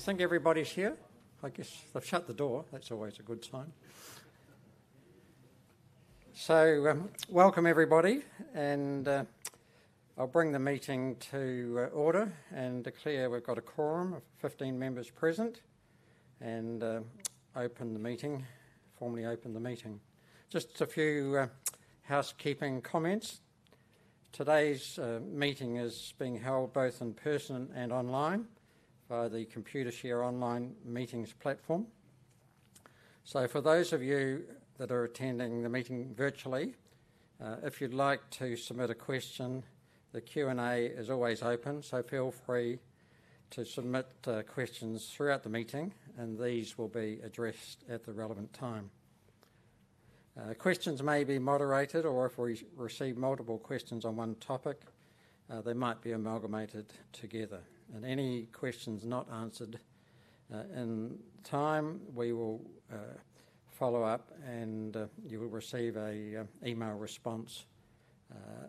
Do you think everybody's here? I guess they've shut the door. That's always a good sign, so welcome everybody, and I'll bring the meeting to order, and to clarify, we've got a quorum of 15 members present, and I'll open the meeting, formally open the meeting. Just a few housekeeping comments. Today's meeting is being held both in person and online via the Computershare Online Meetings platform, so for those of you that are attending the meeting virtually, if you'd like to submit a question, the Q&A is always open, so feel free to submit questions throughout the meeting, and these will be addressed at the relevant time. Questions may be moderated, or if we receive multiple questions on one topic, they might be amalgamated together, and any questions not answered in time, we will follow up, and you will receive an email response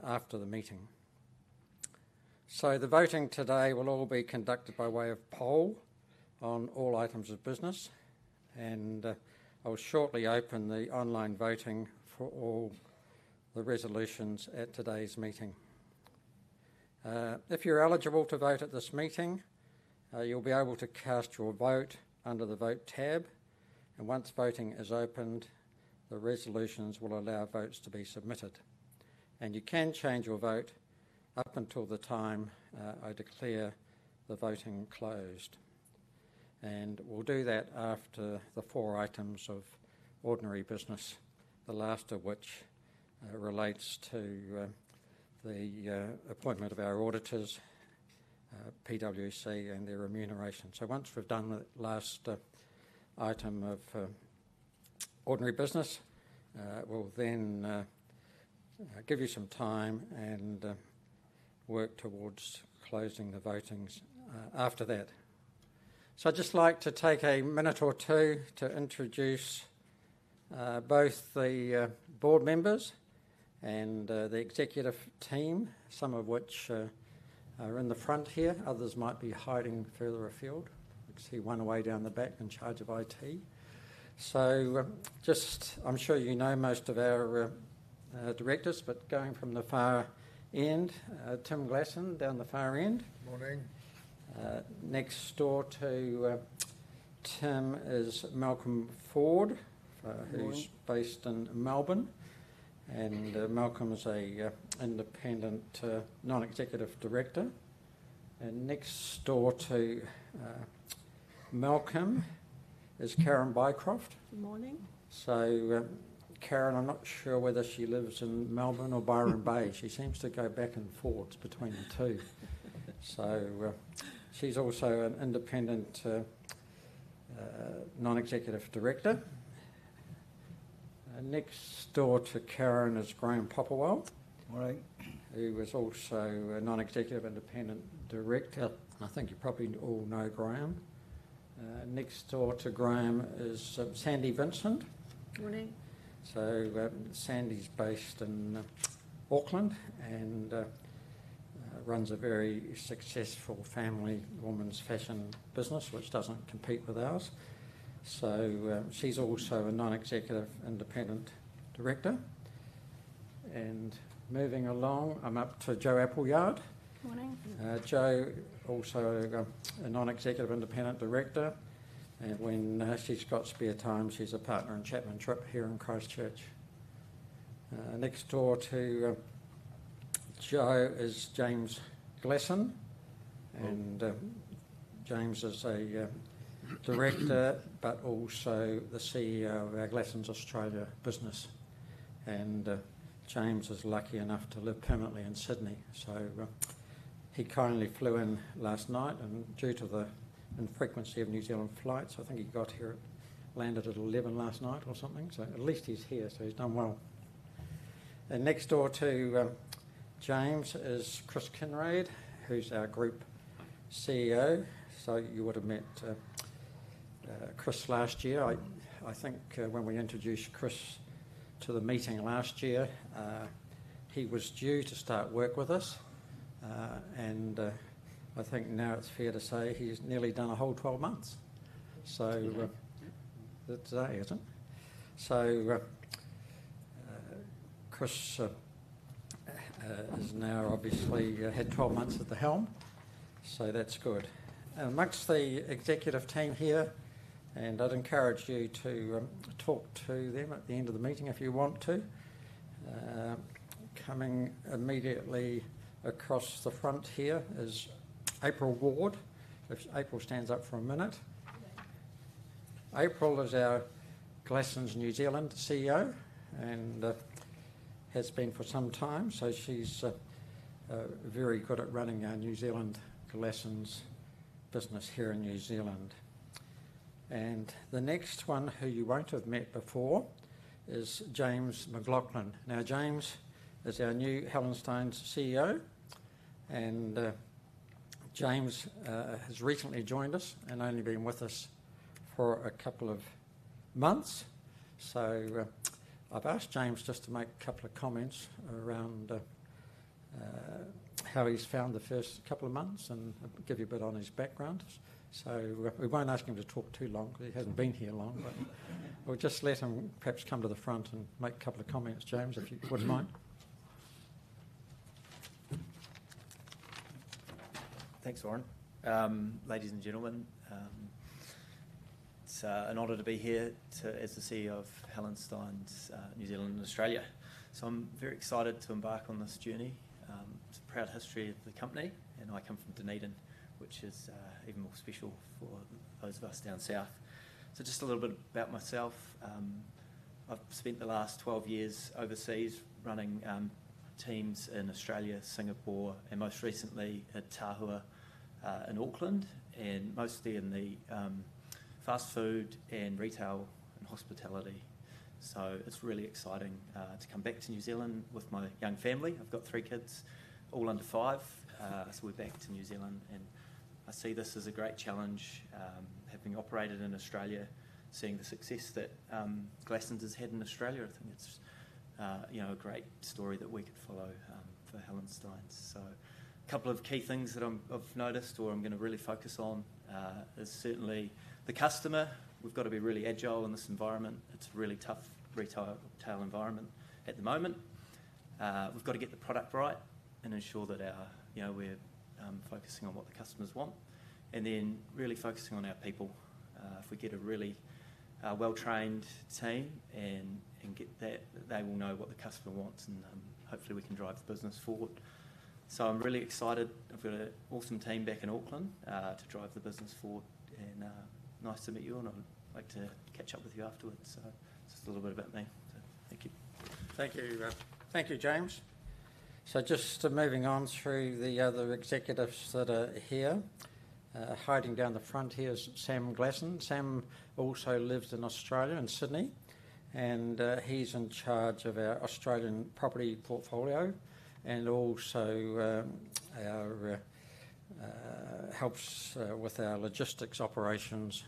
after the meeting. So, the voting today will all be conducted by way of poll on all items of business, and I'll shortly open the online voting for all the resolutions at today's meeting. If you're eligible to vote at this meeting, you'll be able to cast your vote under the Vote tab, and once voting is opened, the resolutions will allow votes to be submitted. And you can change your vote up until the time I declare the voting closed. And we'll do that after the four items of ordinary business, the last of which relates to the appointment of our auditors, PwC, and their remuneration. So, once we've done the last item of ordinary business, we'll then give you some time and work towards closing the voting after that. So, I'd just like to take a minute or two to introduce both the board members and the executive team, some of which are in the front here. Others might be hiding further afield. I can see one way down the back in charge of IT. So, just, I'm sure you know most of our directors, but going from the far end, Tim Glasson, down the far end. Morning. Next door to Tim is Malcolm Ford, who's based in Melbourne, and Malcolm's an independent non-executive director, and next door to Malcolm is Karen Bycroft. Good morning. Karen, I'm not sure whether she lives in Melbourne or Byron Bay. She seems to go back and forth between the two. She's also an independent non-executive director. Next door to Karen is Graeme Popplewell, who is also a non-executive independent director. I think you probably all know Graeme. Next door to Graeme is Sandy Vincent. Good morning. So, Sandy's based in Auckland and runs a very successful family women's fashion business, which doesn't compete with ours. So, she's also a non-executive independent director. And moving along, I'm up to Jo Appleyard. Good morning. Jo, also a non-executive independent director. When she's got spare time, she's a partner in Chapman Tripp here in Christchurch. Next door to Jo is James Glasson, and James is a director, but also the CEO of Glassons Australia business. James is lucky enough to live permanently in Sydney, so he kindly flew in last night. Due to the infrequency of New Zealand flights, I think he got here, landed at 11:00 P.M. last night or something. At least he's here, so he's done well. Next door to James is Chris Kinraid, who's our Group CEO. You would have met Chris last year. When we introduced Chris to the meeting last year, he was due to start work with us, and now it's fair to say he's nearly done a whole 12 months. That's it. Chris has now obviously had 12 months at the helm, so that's good. Among the executive team here, and I'd encourage you to talk to them at the end of the meeting if you want to. Coming immediately across the front here is April Ward. If April stands up for a minute. April is our Glassons New Zealand CEO and has been for some time, so she's very good at running our New Zealand Glassons business here in New Zealand. And the next one who you won't have met before is James McLauchlan. Now, James is our new Hallenstein CEO, and James has recently joined us and only been with us for a couple of months. I've asked James just to make a couple of comments around how he's found the first couple of months and give you a bit on his background. So, we won't ask him to talk too long because he hasn't been here long, but we'll just let him perhaps come to the front and make a couple of comments. James, if you wouldn't mind. Thanks, Warren. Ladies and gentlemen, it's an honor to be here as the CEO of Hallensteins New Zealand and Australia. So, I'm very excited to embark on this journey. It's a proud history of the company, and I come from Dunedin, which is even more special for those of us down south. So, just a little bit about myself. I've spent the last 12 years overseas running teams in Australia, Singapore, and most recently at Tahua in Auckland, and mostly in the fast food and retail and hospitality. So, it's really exciting to come back to New Zealand with my young family. I've got three kids, all under five, so we're back to New Zealand. And I see this as a great challenge. Having operated in Australia, seeing the success that Glassons has had in Australia, I think it's a great story that we could follow for Hallensteins. A couple of key things that I've noticed or I'm going to really focus on is certainly the customer. We've got to be really agile in this environment. It's a really tough retail environment at the moment. We've got to get the product right and ensure that we're focusing on what the customers want, and then really focusing on our people. If we get a really well-trained team and get that, they will know what the customer wants, and hopefully we can drive the business forward. I'm really excited. I've got an awesome team back in Auckland to drive the business forward, and nice to meet you, and I'd like to catch up with you afterwards. It's just a little bit about me. Thank you. Thank you. Thank you, James. So, just moving on through the other executives that are here. Hiding down the front here is Sam Glasson. Sam also lives in Australia, in Sydney, and he's in charge of our Australian property portfolio and also helps with our logistics operations,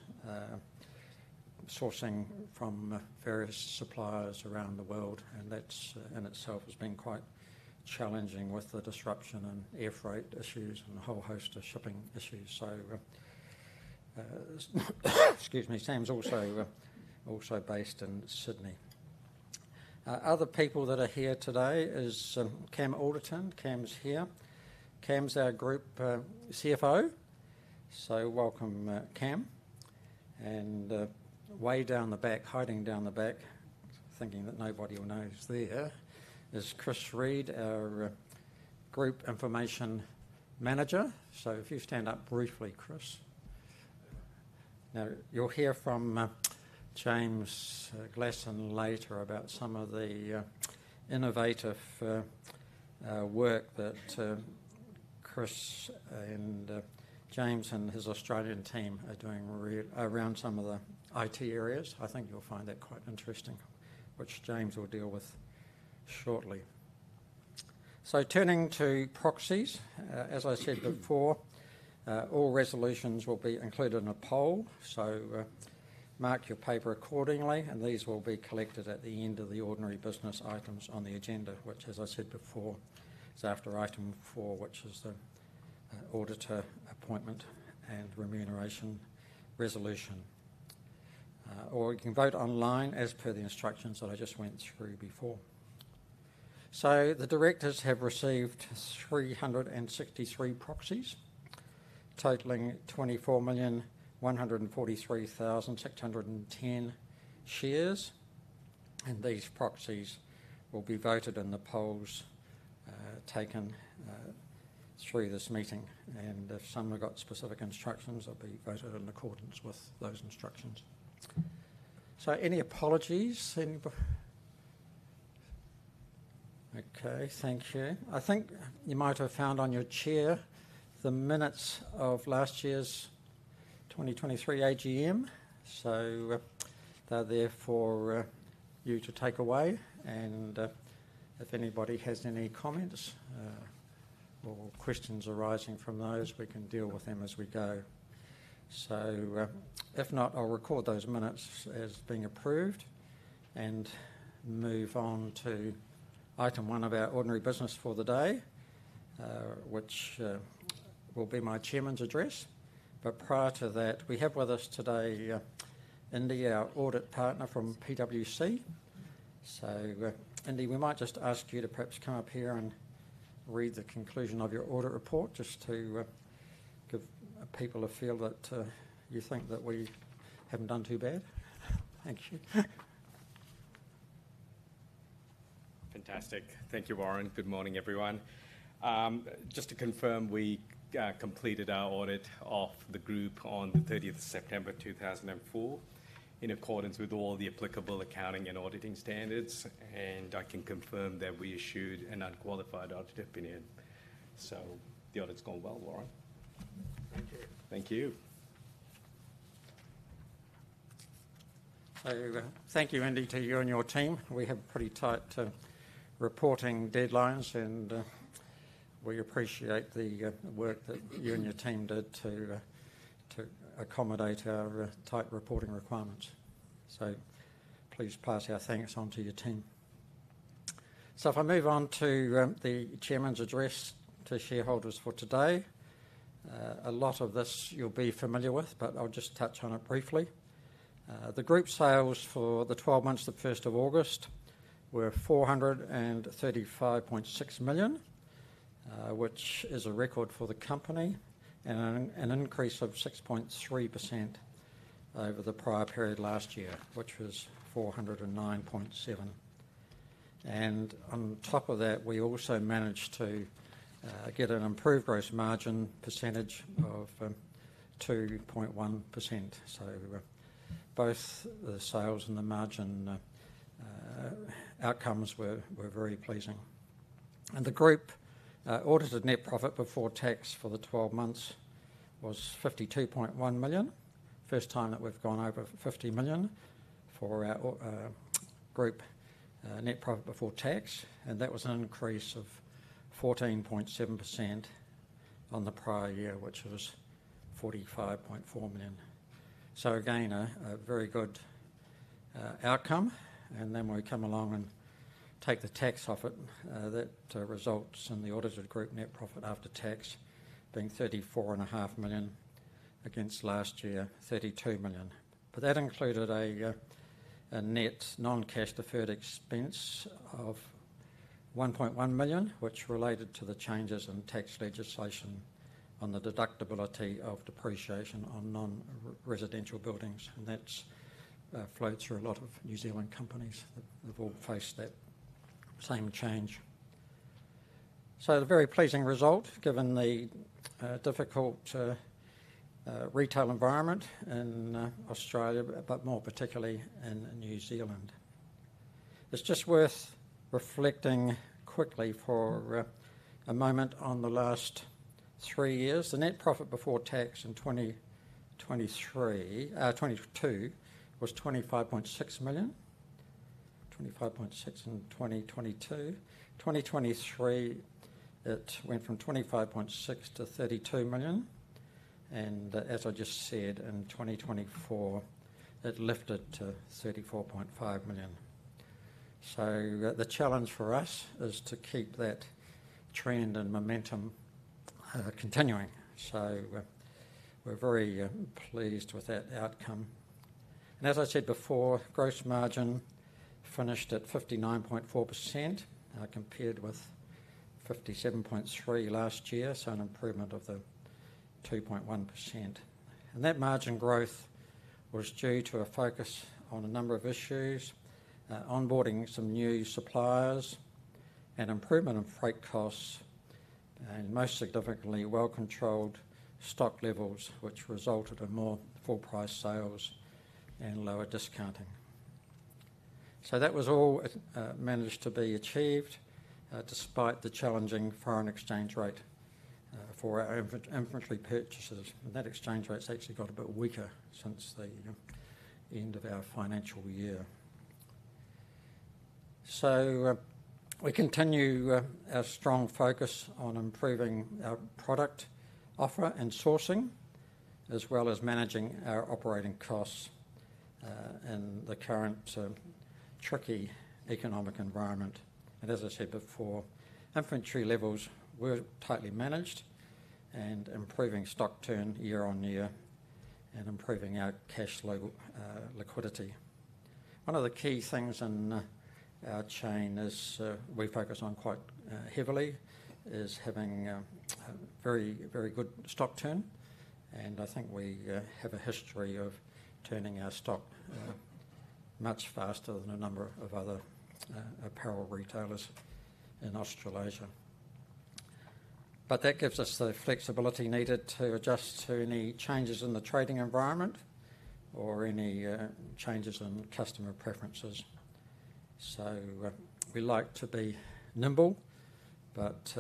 sourcing from various suppliers around the world. And that in itself has been quite challenging with the disruption and air freight issues and a whole host of shipping issues. So, excuse me, Sam's also based in Sydney. Other people that are here today is Cam Alderton. Cam's here. Cam's our Group CFO. So, welcome, Cam. And way down the back, hiding down the back, thinking that nobody will know who's there, is Chris Reid, our Group Information Manager. So, if you stand up briefly, Chris. Now, you'll hear from James Glasson later about some of the innovative work that Chris and James and his Australian team are doing around some of the IT areas. I think you'll find that quite interesting, which James will deal with shortly. So, turning to proxies. As I said before, all resolutions will be included in a poll, so mark your paper accordingly, and these will be collected at the end of the ordinary business items on the agenda, which, as I said before, is after item four, which is the auditor appointment and remuneration resolution. Or you can vote online as per the instructions that I just went through before. So, the directors have received 363 proxies totaling 24,143,610 shares, and these proxies will be voted in the polls taken through this meeting, and if some have got specific instructions, they'll be voted in accordance with those instructions. So, any apologies? Okay, thank you. I think you might have found on your chair the minutes of last year's 2023 AGM. So, they're there for you to take away, and if anybody has any comments or questions arising from those, we can deal with them as we go. So, if not, I'll record those minutes as being approved and move on to item one of our ordinary business for the day, which will be my chairman's address. But prior to that, we have with us today Indy, our audit partner from PwC. So, Indy, we might just ask you to perhaps come up here and read the conclusion of your audit report just to give people a feel that you think that we haven't done too bad. Thank you. Fantastic. Thank you, Warren. Good morning, everyone. Just to confirm, we completed our audit of the group on the 30th of September, 2024, in accordance with all the applicable accounting and auditing standards, and I can confirm that we issued an unqualified audit opinion. So, the audit's gone well, Warren. Thank you. Thank you. Thank you, Indy, to you and your team. We have pretty tight reporting deadlines, and we appreciate the work that you and your team did to accommodate our tight reporting requirements. Please pass our thanks on to your team. If I move on to the chairman's address to shareholders for today, a lot of this you'll be familiar with, but I'll just touch on it briefly. The group sales for the 12 months of the 1st of August were 435.6 million, which is a record for the company, and an increase of 6.3% over the prior period last year, which was NZD 409.7 million. On top of that, we also managed to get an improved gross margin percentage of 2.1%. Both the sales and the margin outcomes were very pleasing. The group audited net profit before tax for the 12 months was 52.1 million. First time that we've gone over $50 million for our group net profit before tax, and that was an increase of 14.7% on the prior year, which was $45.4 million. So, again, a very good outcome. And then when we come along and take the tax off it, that results in the audited group net profit after tax being $34.5 million against last year, $32 million. But that included a net non-cash deferred expense of $1.1 million, which related to the changes in tax legislation on the deductibility of depreciation on non-residential buildings. And that floats through a lot of New Zealand companies that have all faced that same change. So, a very pleasing result given the difficult retail environment in Australia, but more particularly in New Zealand. It's just worth reflecting quickly for a moment on the last three years. The net profit before tax in 2022 was $25.6 million, $25.6 million in 2022. In 2023, it went from $25.6 million to $32 million, and as I just said, in 2024, it lifted to $34.5 million, so the challenge for us is to keep that trend and momentum continuing, so we're very pleased with that outcome, and as I said before, gross margin finished at 59.4% compared with 57.3% last year, so an improvement of 2.1%, and that margin growth was due to a focus on a number of issues, onboarding some new suppliers, an improvement in freight costs, and most significantly, well-controlled stock levels, which resulted in more full-price sales and lower discounting, so that was all managed to be achieved despite the challenging foreign exchange rate for our inventory purchases, and that exchange rate's actually got a bit weaker since the end of our financial year. We continue our strong focus on improving our product offer and sourcing, as well as managing our operating costs in the current tricky economic environment. As I said before, inventory levels were tightly managed and improving stock turn year-on-year and improving our cash flow liquidity. One of the key things in our chain is we focus on quite heavily is having a very, very good stock turn. I think we have a history of turning our stock much faster than a number of other apparel retailers in Australasia. That gives us the flexibility needed to adjust to any changes in the trading environment or any changes in customer preferences. We like to be nimble, but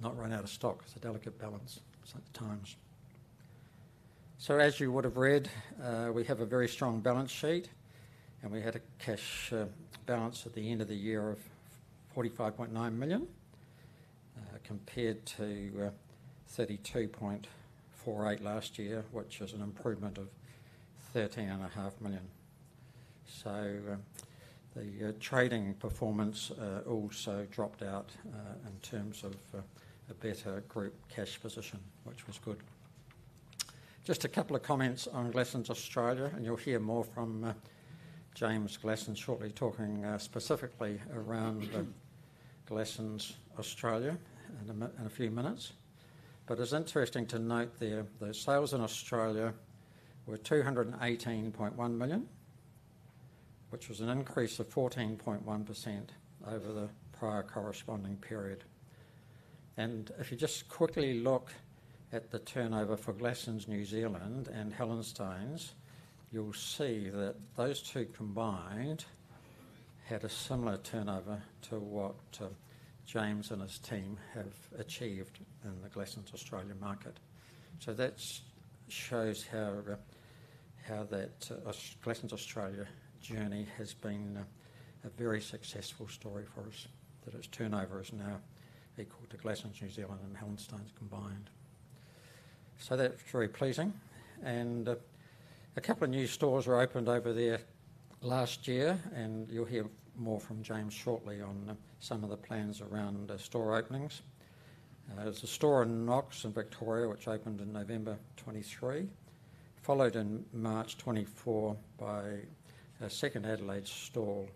not run out of stock. It's a delicate balance sometimes. As you would have read, we have a very strong balance sheet, and we had a cash balance at the end of the year of 45.9 million compared to 32.48 million last year, which is an improvement of NZD 13.5 million. The trading performance also dropped out in terms of a better group cash position, which was good. Just a couple of comments on Glassons Australia, and you'll hear more from James Glasson shortly talking specifically around Glassons Australia in a few minutes. It's interesting to note there the sales in Australia were 218.1 million, which was an increase of 14.1% over the prior corresponding period. If you just quickly look at the turnover for Glassons New Zealand and Hallensteins, you'll see that those two combined had a similar turnover to what James and his team have achieved in the Glassons Australia market. That shows how that Glassons Australia journey has been a very successful story for us, that its turnover is now equal to Glassons New Zealand and Hallensteins combined. That's very pleasing. A couple of new stores were opened over there last year, and you'll hear more from James shortly on some of the plans around store openings. There's a store in Knox in Victoria, which opened in November 2023, followed in March 2024 by a second Adelaide store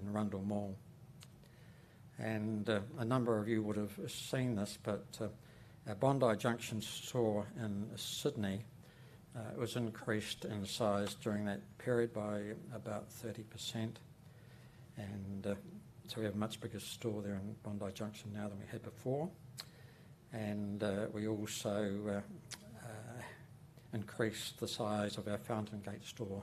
in Rundle Mall. A number of you would have seen this, but Bondi Junction store in Sydney was increased in size during that period by about 30%. We have a much bigger store there in Bondi Junction now than we had before. We also increased the size of our Fountain Gate store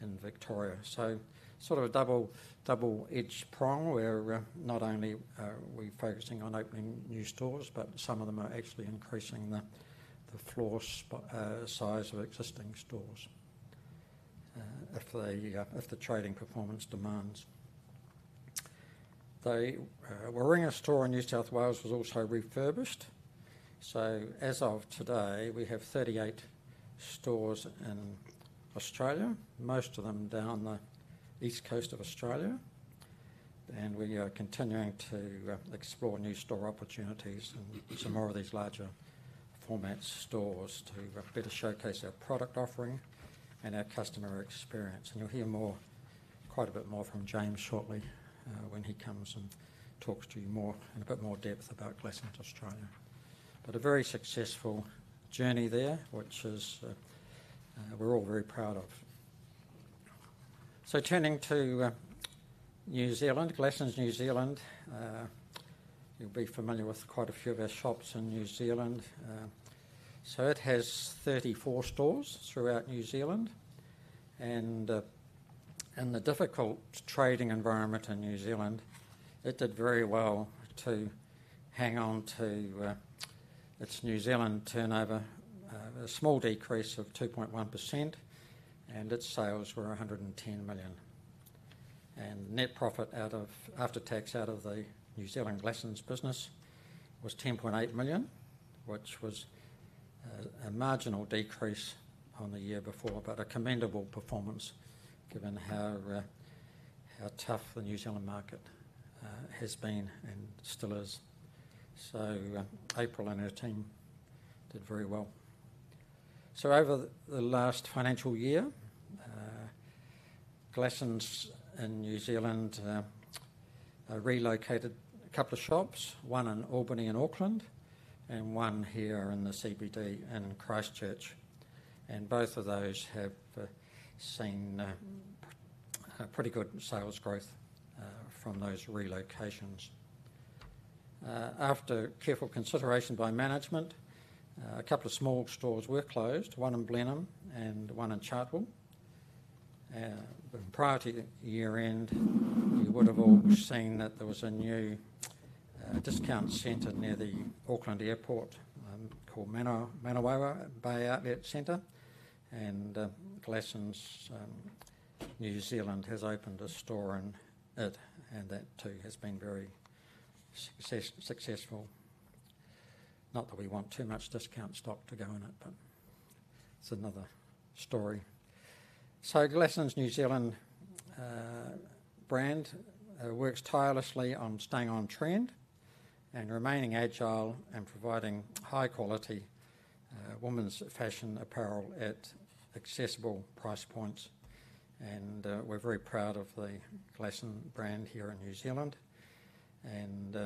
in Victoria. So, sort of a double-edged prong where not only are we focusing on opening new stores, but some of them are actually increasing the floor size of existing stores if the trading performance demands. The Warringah store in New South Wales was also refurbished. So, as of today, we have 38 stores in Australia, most of them down the east coast of Australia. And we are continuing to explore new store opportunities and some more of these larger format stores to better showcase our product offering and our customer experience. And you'll hear quite a bit more from James shortly when he comes and talks to you more in a bit more depth about Glassons Australia. But a very successful journey there, which we're all very proud of. So, turning to New Zealand, Glassons New Zealand, you'll be familiar with quite a few of our shops in New Zealand. It has 34 stores throughout New Zealand. In the difficult trading environment in New Zealand, it did very well to hang on to its New Zealand turnover, a small decrease of 2.1%, and its sales were $110 million. Net profit after tax out of the New Zealand Glassons business was $10.8 million, which was a marginal decrease on the year before, but a commendable performance given how tough the New Zealand market has been and still is. April and her team did very well. Over the last financial year, Glassons in New Zealand relocated a couple of shops, one in Albany and Auckland, and one here in the CBD in Christchurch. Both of those have seen pretty good sales growth from those relocations. After careful consideration by management, a couple of small stores were closed, one in Blenheim and one in Chartwell. Prior to year-end, you would have all seen that there was a new discount center near the Auckland Airport called Manawa Bay Outlet Centre. Glassons New Zealand has opened a store in it, and that too has been very successful. Not that we want too much discount stock to go in it, but it's another story. Glassons New Zealand brand works tirelessly on staying on trend and remaining agile and providing high-quality women's fashion apparel at accessible price points. We're very proud of the Glassons brand here in New Zealand and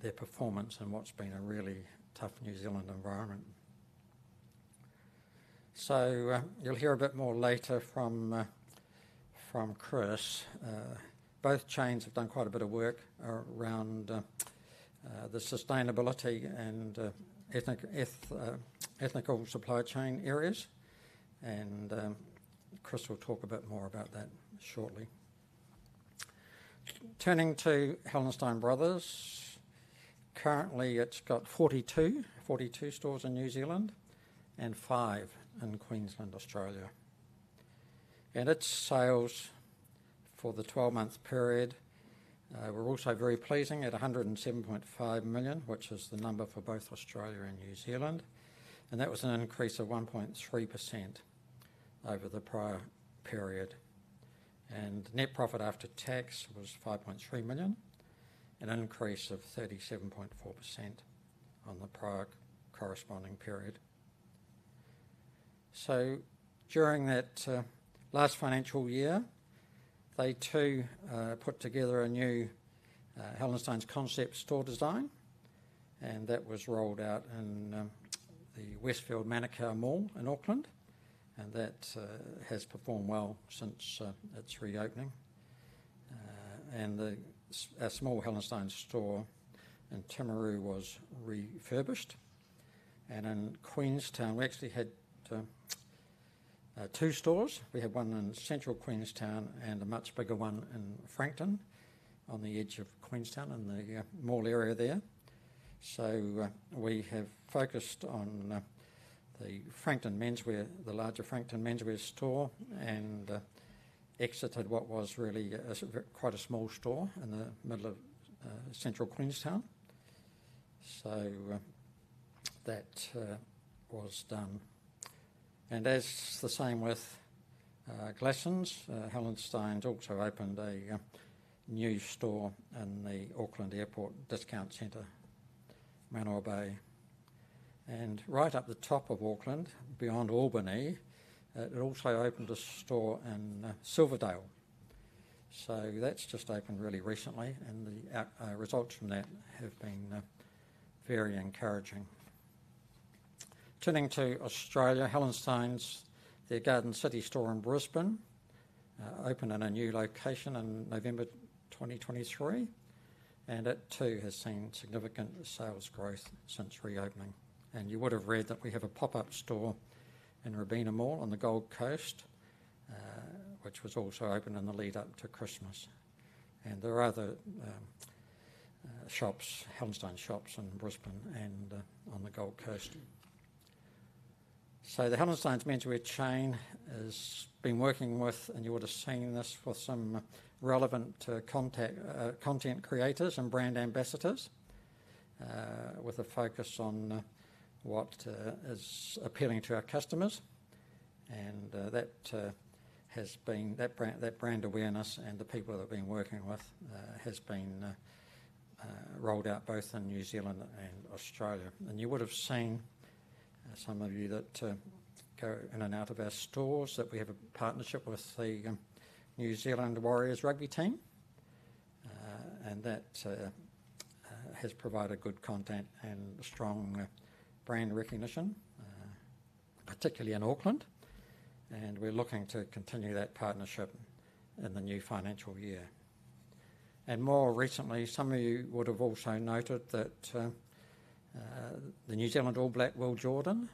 their performance in what's been a really tough New Zealand environment. You'll hear a bit more later from Chris. Both chains have done quite a bit of work around the sustainability and ethical supply chain areas. Chris will talk a bit more about that shortly. Turning to Hallenstein Brothers, currently it's got 42 stores in New Zealand and five in Queensland, Australia. And its sales for the 12-month period were also very pleasing at 107.5 million, which is the number for both Australia and New Zealand. And that was an increase of 1.3% over the prior period. And net profit after tax was 5.3 million and an increase of 37.4% on the prior corresponding period. So, during that last financial year, they too put together a new Hallensteins concept store design, and that was rolled out in the Westfield Manukau Mall in Auckland. And that has performed well since its reopening. And a small Hallensteins store in Timaru was refurbished. And in Queenstown, we actually had two stores. We had one in central Queenstown and a much bigger one in Frankton on the edge of Queenstown in the mall area there. We have focused on the Frankton menswear, the larger Frankton menswear store, and exited what was really quite a small store in the middle of central Queenstown. That was done. The same with Glassons, Hallensteins also opened a new store in the Auckland Airport Discount Centre, Manawa Bay. Right up the top of Auckland, beyond Albany, it also opened a store in Silverdale. That's just opened really recently, and the results from that have been very encouraging. Turning to Australia, Hallensteins, their Garden City store in Brisbane, opened in a new location in November 2023. It too has seen significant sales growth since reopening. You would have read that we have a pop-up store in Robina Mall on the Gold Coast, which was also opened in the lead-up to Christmas. There are other shops, Hallensteins shops in Brisbane and on the Gold Coast. So, the Hallensteins menswear chain has been working with, and you would have seen this with some relevant content creators and brand ambassadors with a focus on what is appealing to our customers. And that brand awareness and the people that have been working with has been rolled out both in New Zealand and Australia. And you would have seen some of you that go in and out of our stores that we have a partnership with the New Zealand Warriors rugby team. And that has provided good content and strong brand recognition, particularly in Auckland. And we're looking to continue that partnership in the new financial year. And more recently, some of you would have also noted that the New Zealand All Blacks Will Jordan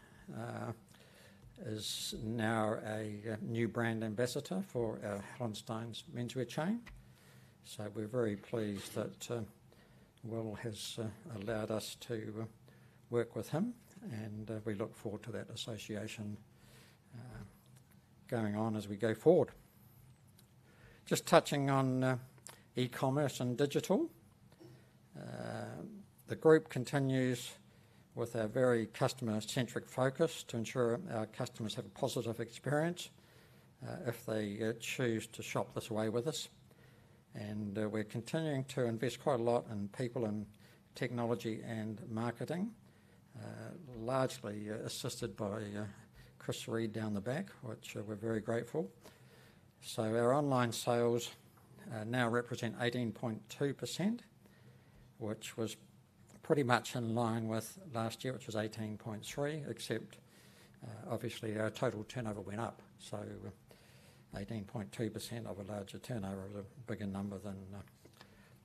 is now a new brand ambassador for our Hallensteins menswear chain. We're very pleased that Will has allowed us to work with him, and we look forward to that association going on as we go forward. Just touching on e-commerce and digital, the group continues with a very customer-centric focus to ensure our customers have a positive experience if they choose to shop this way with us. We're continuing to invest quite a lot in people and technology and marketing, largely assisted by Chris Reid down the back, which we're very grateful. Our online sales now represent 18.2%, which was pretty much in line with last year, which was 18.3%, except obviously our total turnover went up. 18.2% of a larger turnover is a bigger number than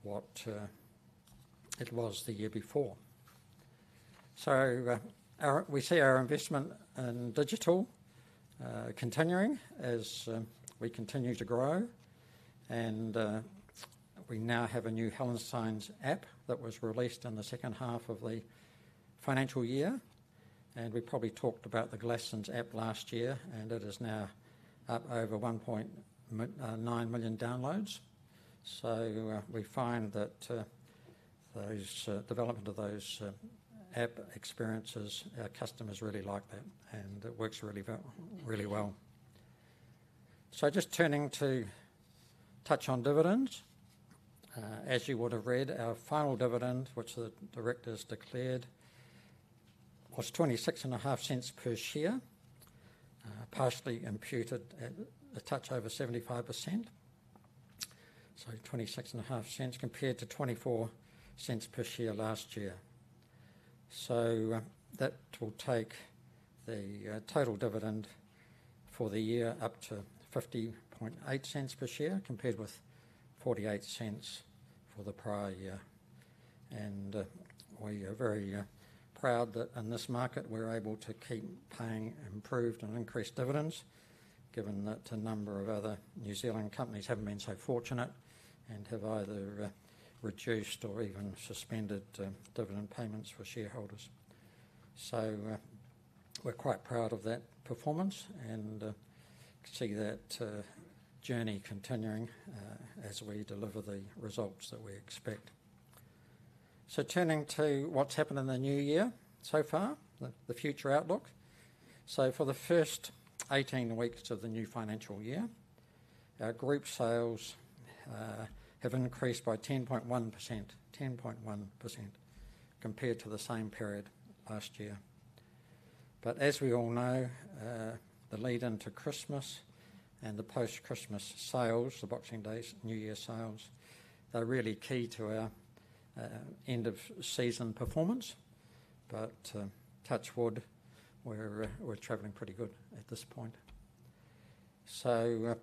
what it was the year before. We see our investment in digital continuing as we continue to grow. We now have a new Hallensteins app that was released in the second half of the financial year. We probably talked about the Glassons app last year, and it is now up over 1.9 million downloads. We find that the development of those app experiences, our customers really like that, and it works really well. Just turning to touch on dividends. As you would have read, our final dividend, which the directors declared, was NZD 0.265 per share, partially imputed at a touch over 75%. NZD 0.265 compared to 0.24 per share last year. That will take the total dividend for the year up to 0.508 per share compared with NZD 0.48 for the prior year. We are very proud that in this market we're able to keep paying improved and increased dividends, given that a number of other New Zealand companies haven't been so fortunate and have either reduced or even suspended dividend payments for shareholders. We're quite proud of that performance and see that journey continuing as we deliver the results that we expect. Turning to what's happened in the new year so far, the future outlook. For the first 18 weeks of the new financial year, our group sales have increased by 10.1%, 10.1% compared to the same period last year. As we all know, the lead-in to Christmas and the post-Christmas sales, the Boxing Days, New Year sales, are really key to our end-of-season performance. Touch wood, we're traveling pretty good at this point. So,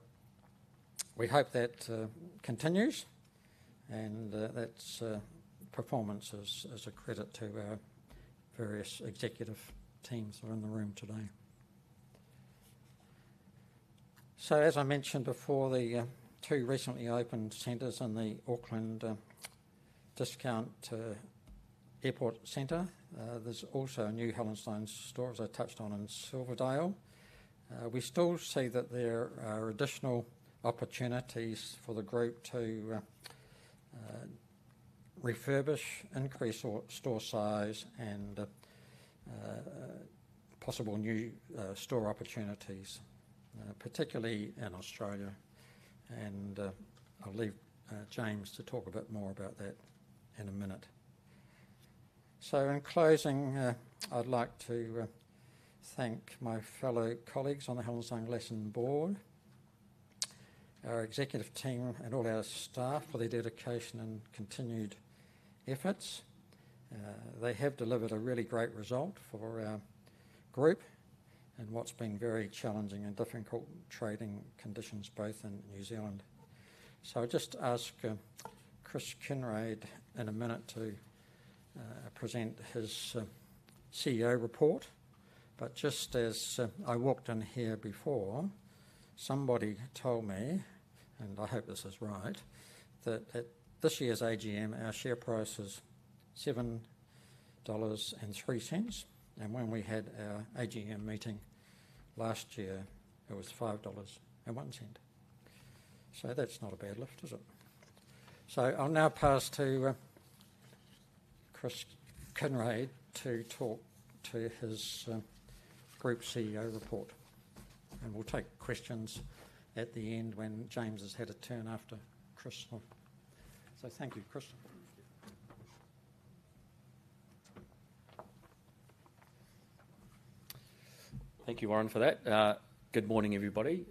we hope that continues, and that performance is a credit to our various executive teams that are in the room today. So, as I mentioned before, the two recently opened centres in Manawa Bay near Auckland Airport. There's also a new Hallensteins store, as I touched on, in Silverdale. We still see that there are additional opportunities for the group to refurbish, increase store size, and possible new store opportunities, particularly in Australia. And I'll leave James to talk a bit more about that in a minute. So, in closing, I'd like to thank my fellow colleagues on the Hallenstein Glasson Board, our executive team, and all our staff for their dedication and continued efforts. They have delivered a really great result for our group in what's been very challenging and difficult trading conditions both in New Zealand. I'll just ask Chris Kinraid in a minute to present his CEO report. But just as I walked in here before, somebody told me, and I hope this is right, that at this year's AGM, our share price is $7.03. And when we had our AGM meeting last year, it was $5.01. That's not a bad lift, is it? I'll now pass to Chris Kinraid to talk to his group CEO report. We'll take questions at the end when James has had a turn after Chris. Thank you, Chris. Thank you, Warren, for that. Good morning, everybody.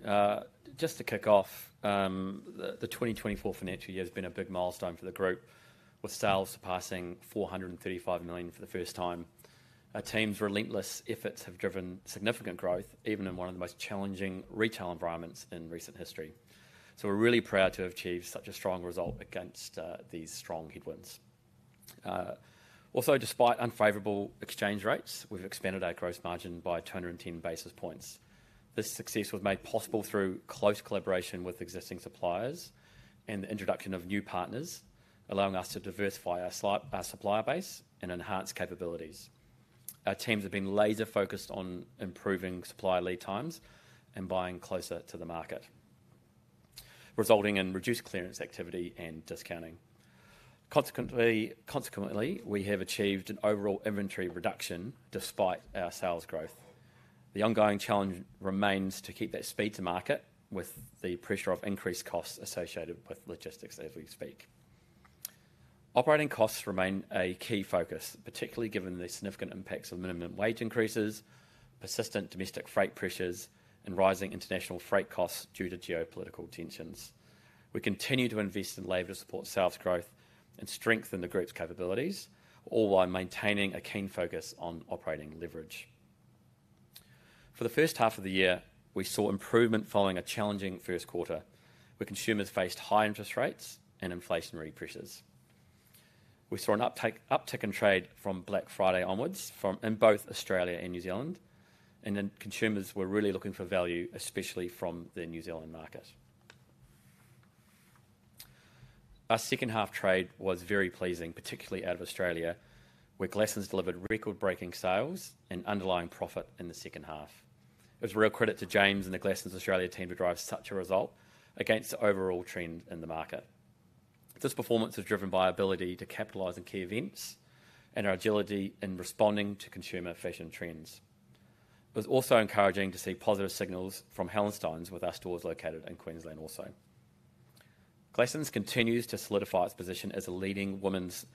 Just to kick off, the 2024 financial year has been a big milestone for the group, with sales surpassing 435 million for the first time. Our team's relentless efforts have driven significant growth, even in one of the most challenging retail environments in recent history. So, we're really proud to have achieved such a strong result against these strong headwinds. Also, despite unfavorable exchange rates, we've expanded our gross margin by 210 basis points. This success was made possible through close collaboration with existing suppliers and the introduction of new partners, allowing us to diversify our supplier base and enhance capabilities. Our teams have been laser-focused on improving supply lead times and buying closer to the market, resulting in reduced clearance activity and discounting. Consequently, we have achieved an overall inventory reduction despite our sales growth. The ongoing challenge remains to keep that speed to market with the pressure of increased costs associated with logistics as we speak. Operating costs remain a key focus, particularly given the significant impacts of minimum wage increases, persistent domestic freight pressures, and rising international freight costs due to geopolitical tensions. We continue to invest in labor to support sales growth and strengthen the group's capabilities, all while maintaining a keen focus on operating leverage. For the first half of the year, we saw improvement following a challenging first quarter, where consumers faced high interest rates and inflationary pressures. We saw an uptick in trade from Black Friday onwards in both Australia and New Zealand, and consumers were really looking for value, especially from the New Zealand market. Our second half trade was very pleasing, particularly out of Australia, where Glassons delivered record-breaking sales and underlying profit in the second half. It was a real credit to James and the Glassons Australia team to drive such a result against the overall trend in the market. This performance was driven by our ability to capitalize in key events and our agility in responding to consumer fashion trends. It was also encouraging to see positive signals from Hallensteins, with our stores located in Queensland also. Glassons continues to solidify its position as a leading women's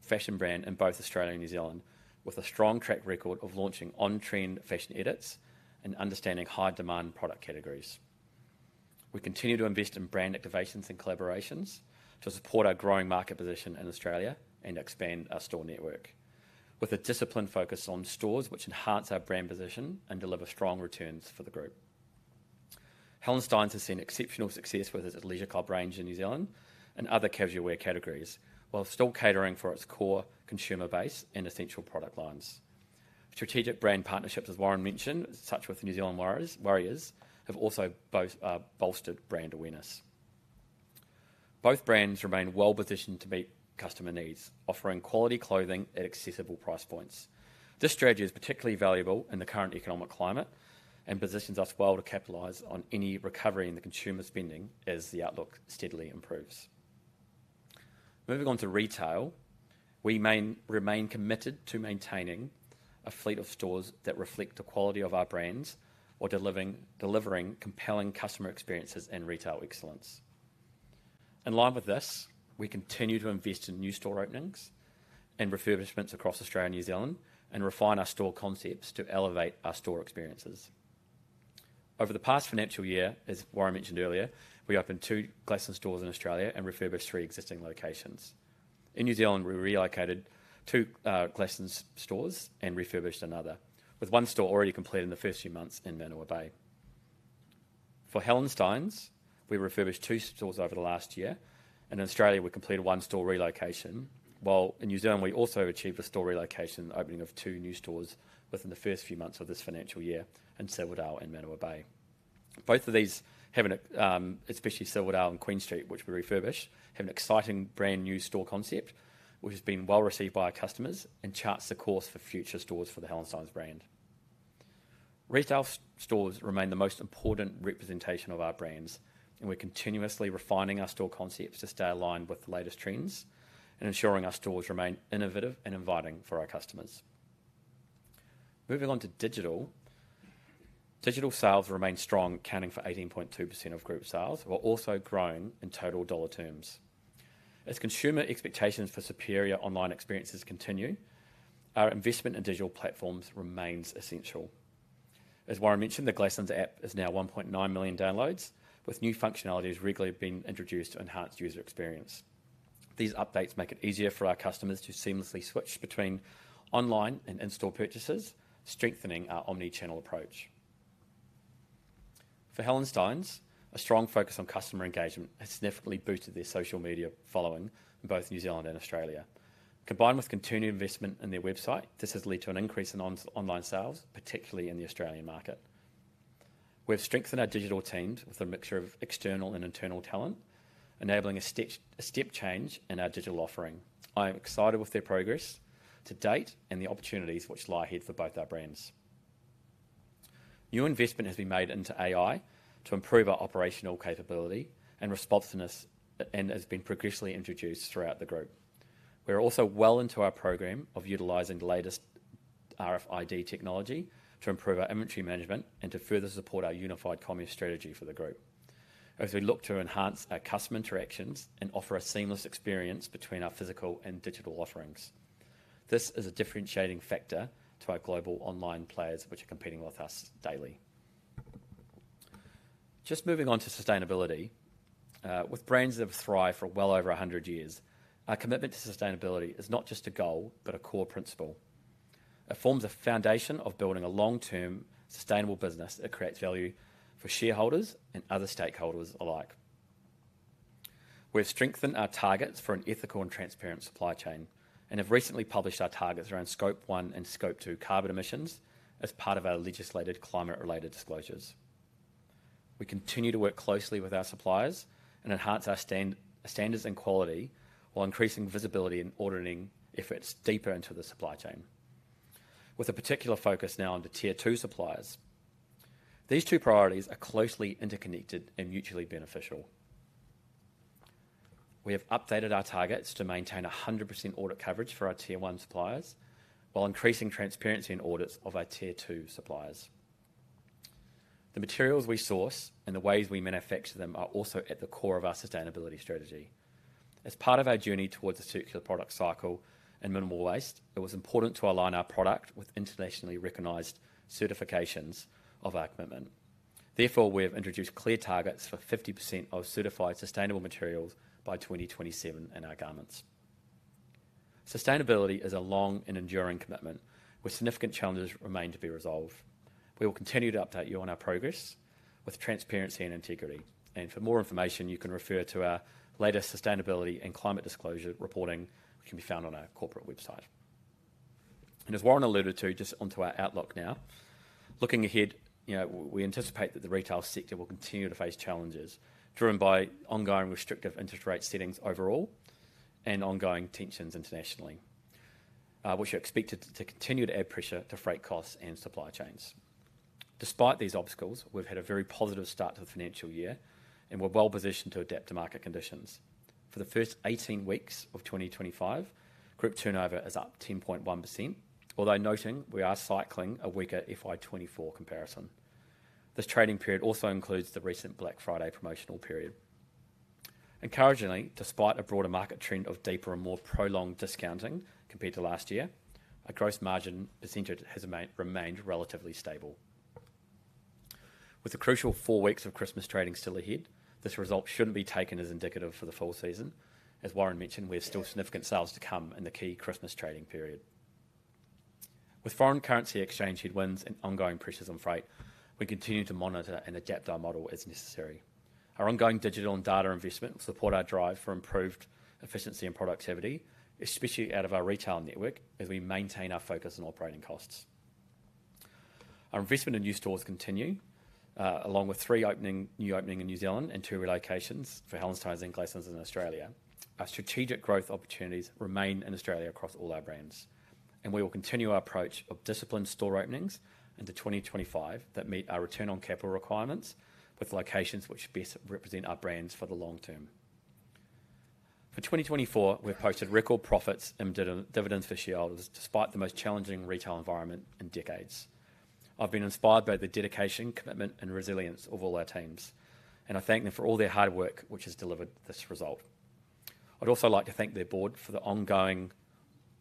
fashion brand in both Australia and New Zealand, with a strong track record of launching on-trend fashion edits and understanding high-demand product categories. We continue to invest in brand activations and collaborations to support our growing market position in Australia and expand our store network, with a disciplined focus on stores which enhance our brand position and deliver strong returns for the group. Hallensteins has seen exceptional success with its Leisure Club range in New Zealand and other casual wear categories, while still catering for its core consumer base and essential product lines. Strategic brand partnerships, as Warren mentioned, such as with New Zealand Warriors, have also bolstered brand awareness. Both brands remain well-positioned to meet customer needs, offering quality clothing at accessible price points. This strategy is particularly valuable in the current economic climate and positions us well to capitalize on any recovery in the consumer spending as the outlook steadily improves. Moving on to retail, we remain committed to maintaining a fleet of stores that reflect the quality of our brands while delivering compelling customer experiences and retail excellence. In line with this, we continue to invest in new store openings and refurbishments across Australia and New Zealand and refine our store concepts to elevate our store experiences. Over the past financial year, as Warren mentioned earlier, we opened two Glassons stores in Australia and refurbished three existing locations. In New Zealand, we relocated two Glassons stores and refurbished another, with one store already completed in the first few months in Manawa Bay. For Hallensteins, we refurbished two stores over the last year. In Australia, we completed one store relocation, while in New Zealand, we also achieved a store relocation, opening of two new stores within the first few months of this financial year in Silverdale and Manawa Bay. Both of these, especially Silverdale and Queen Street, which we refurbished, have an exciting brand new store concept, which has been well received by our customers and charts the course for future stores for the Hallensteins brand. Retail stores remain the most important representation of our brands, and we're continuously refining our store concepts to stay aligned with the latest trends and ensuring our stores remain innovative and inviting for our customers. Moving on to digital, digital sales remain strong, accounting for 18.2% of group sales, while also growing in total dollar terms. As consumer expectations for superior online experiences continue, our investment in digital platforms remains essential. As Warren mentioned, the Glassons app is now 1.9 million downloads, with new functionalities regularly being introduced to enhance user experience. These updates make it easier for our customers to seamlessly switch between online and in-store purchases, strengthening our omnichannel approach. For Hallensteins, a strong focus on customer engagement has significantly boosted their social media following in both New Zealand and Australia. Combined with continued investment in their website, this has led to an increase in online sales, particularly in the Australian market. We have strengthened our digital teams with a mixture of external and internal talent, enabling a step change in our digital offering. I am excited with their progress to date and the opportunities which lie ahead for both our brands. New investment has been made into AI to improve our operational capability and responsiveness and has been progressively introduced throughout the group. We are also well into our program of utilizing the latest RFID technology to improve our inventory management and to further support our unified commerce strategy for the group. As we look to enhance our customer interactions and offer a seamless experience between our physical and digital offerings, this is a differentiating factor to our global online players which are competing with us daily. Just moving on to sustainability. With brands that have thrived for well over 100 years, our commitment to sustainability is not just a goal but a core principle. It forms a foundation of building a long-term sustainable business that creates value for shareholders and other stakeholders alike. We have strengthened our targets for an ethical and transparent supply chain and have recently published our targets around Scope 1 and Scope 2 carbon emissions as part of our legislated climate-related disclosures. We continue to work closely with our suppliers and enhance our standards and quality while increasing visibility and auditing efforts deeper into the supply chain, with a particular focus now on the Tier 2 suppliers. These two priorities are closely interconnected and mutually beneficial. We have updated our targets to maintain 100% audit coverage for our Tier 1 suppliers while increasing transparency in audits of our Tier 2 suppliers. The materials we source and the ways we manufacture them are also at the core of our sustainability strategy. As part of our journey towards a circular product cycle and minimal waste, it was important to align our product with internationally recognized certifications of our commitment. Therefore, we have introduced clear targets for 50% of certified sustainable materials by 2027 in our garments. Sustainability is a long and enduring commitment, with significant challenges that remain to be resolved. We will continue to update you on our progress with transparency and integrity, and for more information, you can refer to our latest sustainability and climate disclosure reporting which can be found on our corporate website. As Warren alluded to, just onto our outlook now, looking ahead, we anticipate that the retail sector will continue to face challenges driven by ongoing restrictive interest rate settings overall and ongoing tensions internationally, which are expected to continue to add pressure to freight costs and supply chains. Despite these obstacles, we've had a very positive start to the financial year and we're well positioned to adapt to market conditions. For the first 18 weeks of 2025, group turnover is up 10.1%, although noting we are cycling a weaker FY 2024 comparison. This trading period also includes the recent Black Friday promotional period. Encouragingly, despite a broader market trend of deeper and more prolonged discounting compared to last year, our gross margin percentage has remained relatively stable. With the crucial four weeks of Christmas trading still ahead, this result shouldn't be taken as indicative for the full season. As Warren mentioned, we have still significant sales to come in the key Christmas trading period. With foreign currency exchange headwinds and ongoing pressures on freight, we continue to monitor and adapt our model as necessary. Our ongoing digital and data investment will support our drive for improved efficiency and productivity, especially out of our retail network, as we maintain our focus on operating costs. Our investment in new stores continue, along with three new openings in New Zealand and two relocations for Hallensteins and Glassons in Australia. Our strategic growth opportunities remain in Australia across all our brands, and we will continue our approach of disciplined store openings into 2025 that meet our return on capital requirements with locations which best represent our brands for the long term. For 2024, we have posted record profits and dividends for shareholders despite the most challenging retail environment in decades. I've been inspired by the dedication, commitment, and resilience of all our teams, and I thank them for all their hard work which has delivered this result. I'd also like to thank their board for the ongoing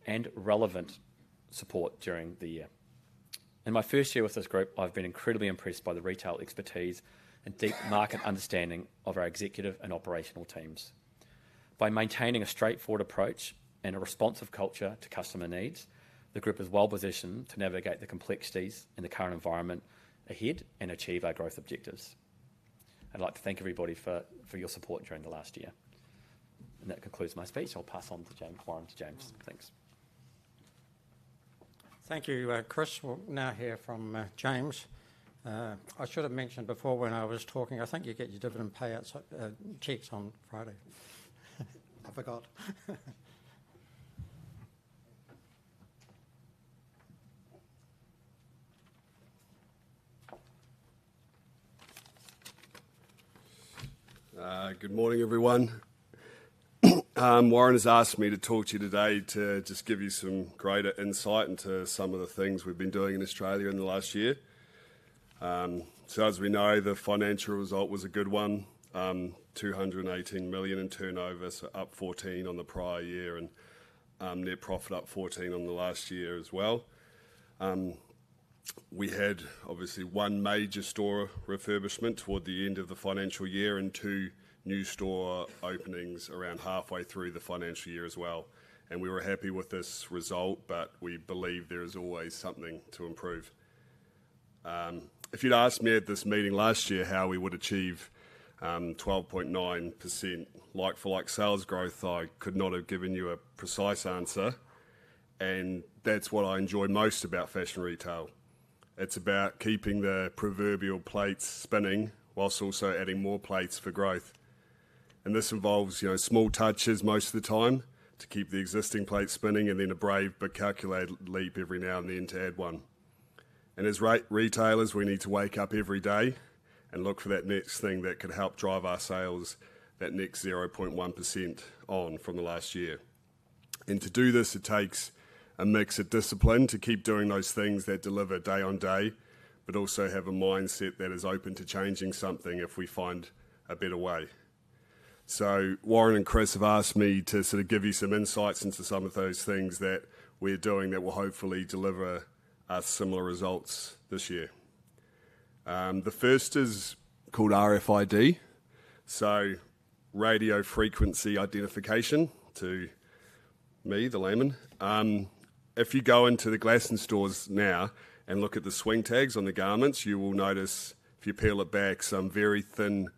and relevant support during the year. In my first year with this group, I've been incredibly impressed by the retail expertise and deep market understanding of our executive and operational teams. By maintaining a straightforward approach and a responsive culture to customer needs, the group is well positioned to navigate the complexities in the current environment ahead and achieve our growth objectives. I'd like to thank everybody for your support during the last year. And that concludes my speech. I'll pass on to James. Warren, to James. Thanks. Thank you, Chris. We'll now hear from James. I should have mentioned before when I was talking, I think you get your dividend payout checks on Friday. I forgot. Good morning, everyone. Warren has asked me to talk to you today to just give you some greater insight into some of the things we've been doing in Australia in the last year. So, as we know, the financial result was a good one, 218 million in turnover, so up 14% on the prior year, and net profit up 14% on the last year as well. We had, obviously, one major store refurbishment toward the end of the financial year and two new store openings around halfway through the financial year as well. And we were happy with this result, but we believe there is always something to improve. If you'd asked me at this meeting last year how we would achieve 12.9% like-for-like sales growth, I could not have given you a precise answer, and that's what I enjoy most about fashion retail. It's about keeping the proverbial plates spinning while also adding more plates for growth, and this involves small touches most of the time to keep the existing plates spinning and then a brave but calculated leap every now and then to add one, and as retailers, we need to wake up every day and look for that next thing that could help drive our sales, that next 0.1% on from the last year, and to do this, it takes a mix of discipline to keep doing those things that deliver day on day, but also have a mindset that is open to changing something if we find a better way. So, Warren and Chris have asked me to sort of give you some insights into some of those things that we're doing that will hopefully deliver similar results this year. The first is called RFID, so radio frequency identification to me, the layman. If you go into the Glassons stores now and look at the swing tags on the garments, you will notice, if you peel it back, some very thin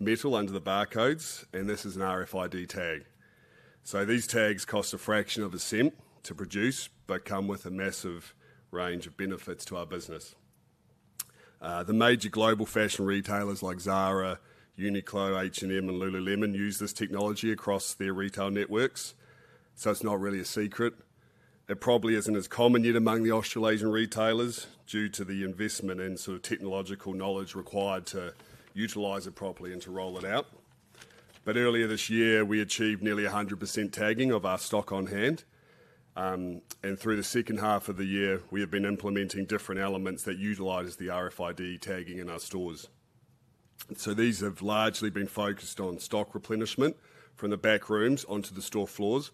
metal under the barcodes, and this is an RFID tag. So, these tags cost a fraction of a cent to produce but come with a massive range of benefits to our business. The major global fashion retailers like Zara, Uniqlo, H&M, and Lululemon use this technology across their retail networks, so it's not really a secret. It probably isn't as common yet among the Australasian retailers due to the investment and sort of technological knowledge required to utilize it properly and to roll it out, but earlier this year, we achieved nearly 100% tagging of our stock on hand, and through the second half of the year, we have been implementing different elements that utilize the RFID tagging in our stores, so these have largely been focused on stock replenishment from the back rooms onto the store floors,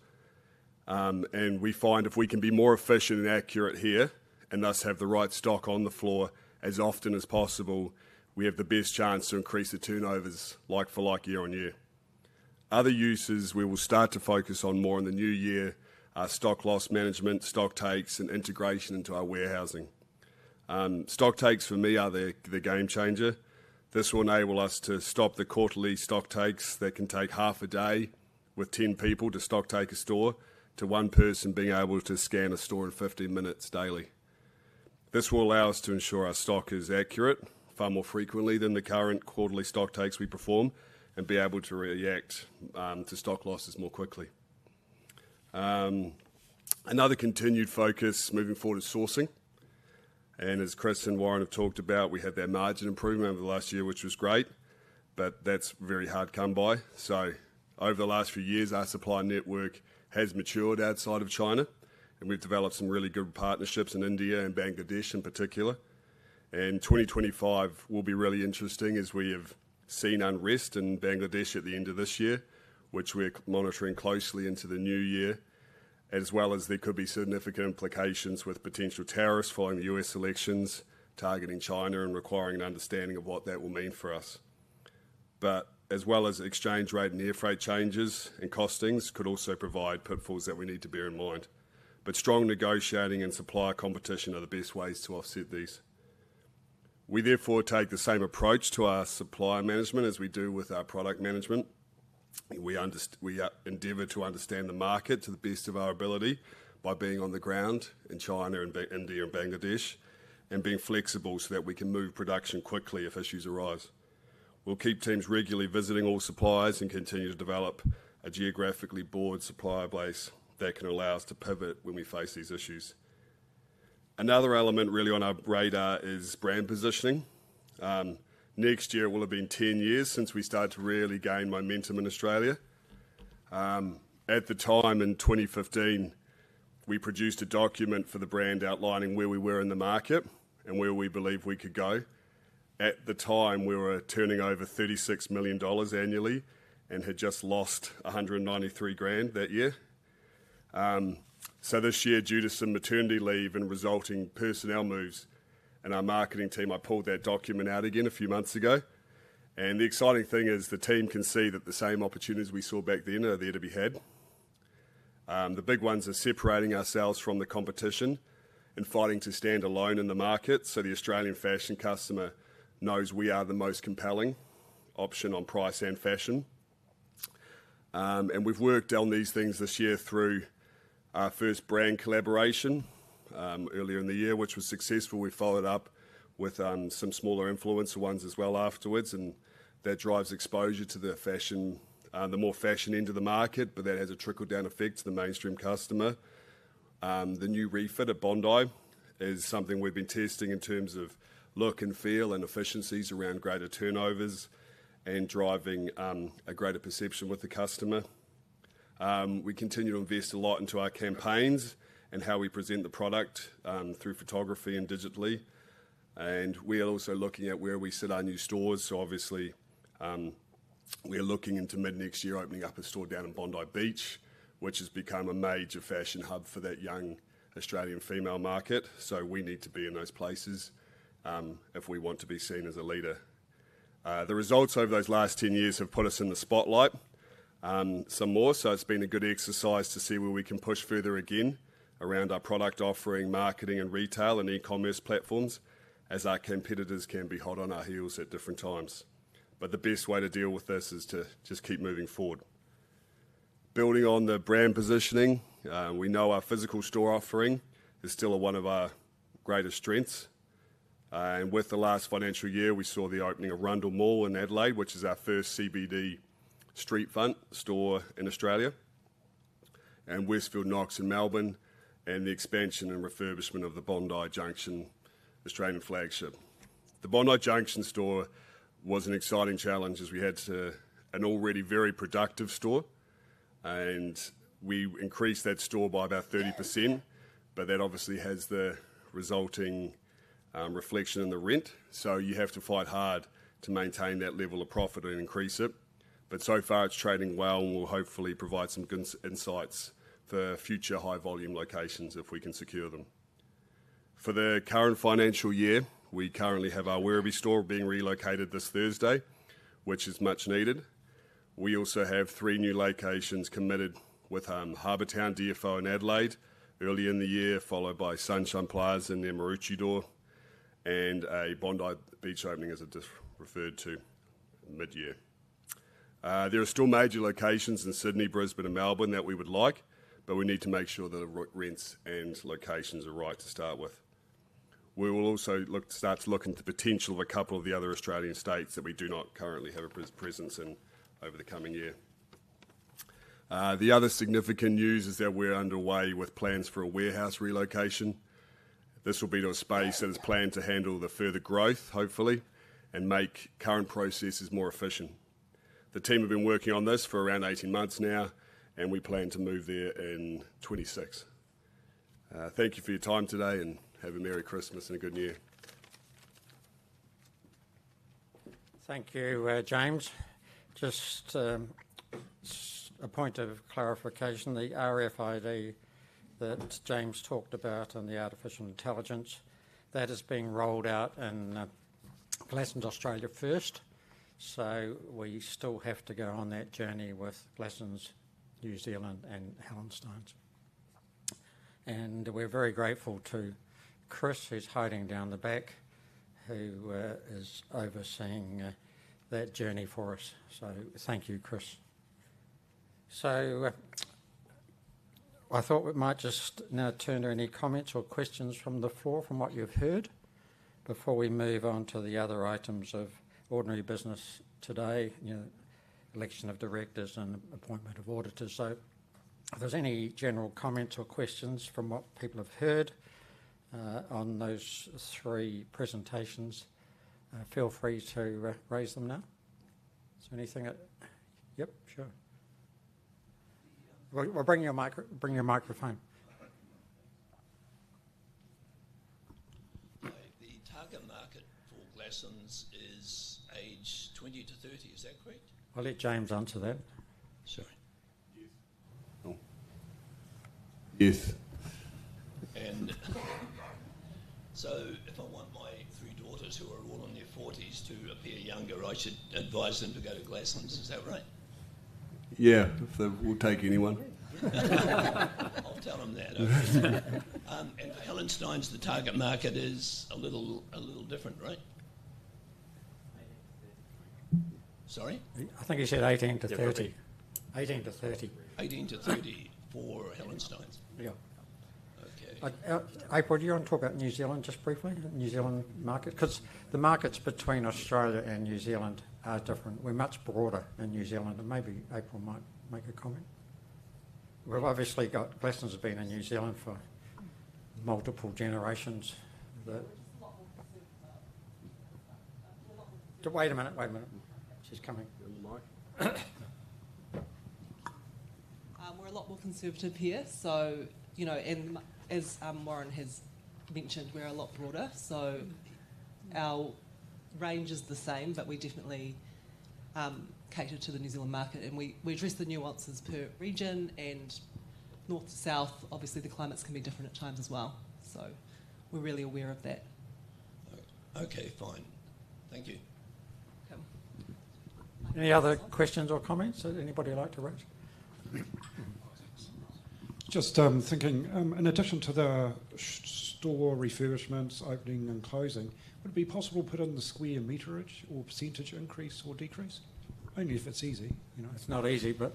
and we find if we can be more efficient and accurate here and thus have the right stock on the floor as often as possible, we have the best chance to increase the turnovers like-for-like year-on-year. Other uses we will start to focus on more in the new year are stock loss management, stock takes, and integration into our warehousing. Stock takes, for me, are the game changer. This will enable us to stop the quarterly stock takes that can take half a day with 10 people to stock take a store to one person being able to scan a store in 15 minutes daily. This will allow us to ensure our stock is accurate far more frequently than the current quarterly stock takes we perform and be able to react to stock losses more quickly. Another continued focus moving forward is sourcing, and as Chris and Warren have talked about, we had that margin improvement over the last year, which was great, but that's very hard to come by, so over the last few years, our supply network has matured outside of China, and we've developed some really good partnerships in India and Bangladesh in particular. 2025 will be really interesting as we have seen unrest in Bangladesh at the end of this year, which we're monitoring closely into the new year, as well as there could be significant implications with potential tariffs following the U.S. elections targeting China and requiring an understanding of what that will mean for us. As well as exchange rate and air freight changes and costings could also provide pitfalls that we need to bear in mind. Strong negotiating and supply competition are the best ways to offset these. We therefore take the same approach to our supply management as we do with our product management. We endeavor to understand the market to the best of our ability by being on the ground in China and India and Bangladesh and being flexible so that we can move production quickly if issues arise. We'll keep teams regularly visiting all suppliers and continue to develop a geographically broad supplier base that can allow us to pivot when we face these issues. Another element really on our radar is brand positioning. Next year will have been 10 years since we started to really gain momentum in Australia. At the time in 2015, we produced a document for the brand outlining where we were in the market and where we believed we could go. At the time, we were turning over $36 million annually and had just lost $193,000 that year, so this year, due to some maternity leave and resulting personnel moves in our marketing team, I pulled that document out again a few months ago, and the exciting thing is the team can see that the same opportunities we saw back then are there to be had. The big ones are separating ourselves from the competition and fighting to stand alone in the market so the Australian fashion customer knows we are the most compelling option on price and fashion. We've worked on these things this year through our first brand collaboration earlier in the year, which was successful. We followed up with some smaller influencer ones as well afterwards, and that drives exposure to the more fashion into the market, but that has a trickle-down effect to the mainstream customer. The new refit at Bondi is something we've been testing in terms of look and feel and efficiencies around greater turnovers and driving a greater perception with the customer. We continue to invest a lot into our campaigns and how we present the product through photography and digitally. We are also looking at where we set our new stores. Obviously, we're looking into mid-next year opening up a store down in Bondi Beach, which has become a major fashion hub for that young Australian female market. We need to be in those places if we want to be seen as a leader. The results over those last 10 years have put us in the spotlight some more. It's been a good exercise to see where we can push further again around our product offering, marketing, and retail and e-commerce platforms as our competitors can be hot on our heels at different times. The best way to deal with this is to just keep moving forward. Building on the brand positioning, we know our physical store offering is still one of our greatest strengths. With the last financial year, we saw the opening of Rundle Mall in Adelaide, which is our first CBD streetfront store in Australia, and Westfield Knox in Melbourne, and the expansion and refurbishment of the Bondi Junction Australian flagship. The Bondi Junction store was an exciting challenge as we had an already very productive store, and we increased that store by about 30%, but that obviously has the resulting reflection in the rent. You have to fight hard to maintain that level of profit and increase it. So far, it's trading well, and we'll hopefully provide some good insights for future high-volume locations if we can secure them. For the current financial year, we currently have our Werribee store being relocated this Thursday, which is much needed. We also have three new locations committed with Harbour Town, DFO, and Adelaide earlier in the year, followed by Sunshine Plaza in Maroochydore and a Bondi Beach opening, as it's referred to, mid-year. There are still major locations in Sydney, Brisbane, and Melbourne that we would like, but we need to make sure that the rents and locations are right to start with. We will also start to look into the potential of a couple of the other Australian states that we do not currently have a presence in over the coming year. The other significant news is that we're underway with plans for a warehouse relocation. This will be to a space that is planned to handle the further growth, hopefully, and make current processes more efficient. The team have been working on this for around 18 months now, and we plan to move there in 2026. Thank you for your time today, and have a Merry Christmas and a good year. Thank you, James. Just a point of clarification, the RFID that James talked about and the artificial intelligence, that is being rolled out in Glassons Australia first. So, we still have to go on that journey with Glassons New Zealand and Hallensteins. And we're very grateful to Chris, who's hiding down the back, who is overseeing that journey for us. So, thank you, Chris. So, I thought we might just now turn to any comments or questions from the floor from what you've heard before we move on to the other items of ordinary business today, election of directors and appointment of auditors. So, if there's any general comments or questions from what people have heard on those three presentations, feel free to raise them now. Is there anything? Yep, sure. Well, bring your microphone. The target market for Glassons is age 20 to 30, is that correct? I'll let James answer that. Sorry. Yes. No. Yes. And so, if I want my three daughters, who are all in their 40s, to appear younger, I should advise them to go to Glassons, is that right? Yeah, if they will take anyone. I'll tell them that. And for Hallenstein Brothers, the target market is a little different, right? 18 to 30. Sorry? I think he said 18 to 30. 18 to 30. 18 to 30 for Hallenstein Brothers. Yeah. Okay. April, do you want to talk about New Zealand just briefly? New Zealand market? Because the markets between Australia and New Zealand are different. We're much broader in New Zealand, and maybe April might make a comment. We've obviously got Glassons been in New Zealand for multiple generations. Wait a minute, wait a minute. She's coming. We're a lot more conservative here. So, as Warren has mentioned, we're a lot broader. So, our range is the same, but we definitely cater to the New Zealand market, and we address the nuances per region and north to south. Obviously, the climates can be different at times as well. So, we're really aware of that. Okay, fine. Thank you. Any other questions or comments that anybody would like to raise? Just thinking, in addition to the store refurbishments, opening and closing, would it be possible to put in the square meterage or percentage increase or decrease? Only if it's easy. It's not easy, but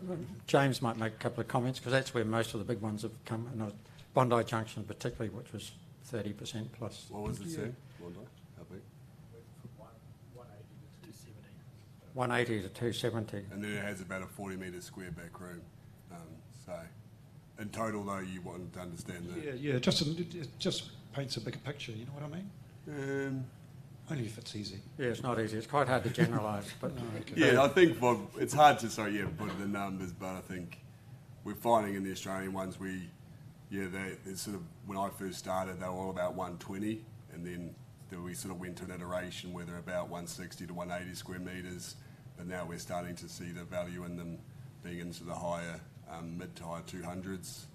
James might make a couple of comments because that's where most of the big ones have come, and Bondi Junction particularly, which was 30%+. What was it say? Bondi? How big? 180-270. 180-270. It has about a 40-meter square back room. So, in total, though. Yeah, yeah, just paints a bigger picture. You know what I mean? Only if it's easy. Yeah, it's not easy. It's quite hard to generalize, but. Yeah, I think it's hard to, so yeah, put the numbers, but I think we're finding in the Australian ones, yeah, when I first started, they were all about 120, and then we sort of went to an iteration where they're about 160-180 square meters, but now we're starting to see the value in them being into the higher mid-to-high 200s.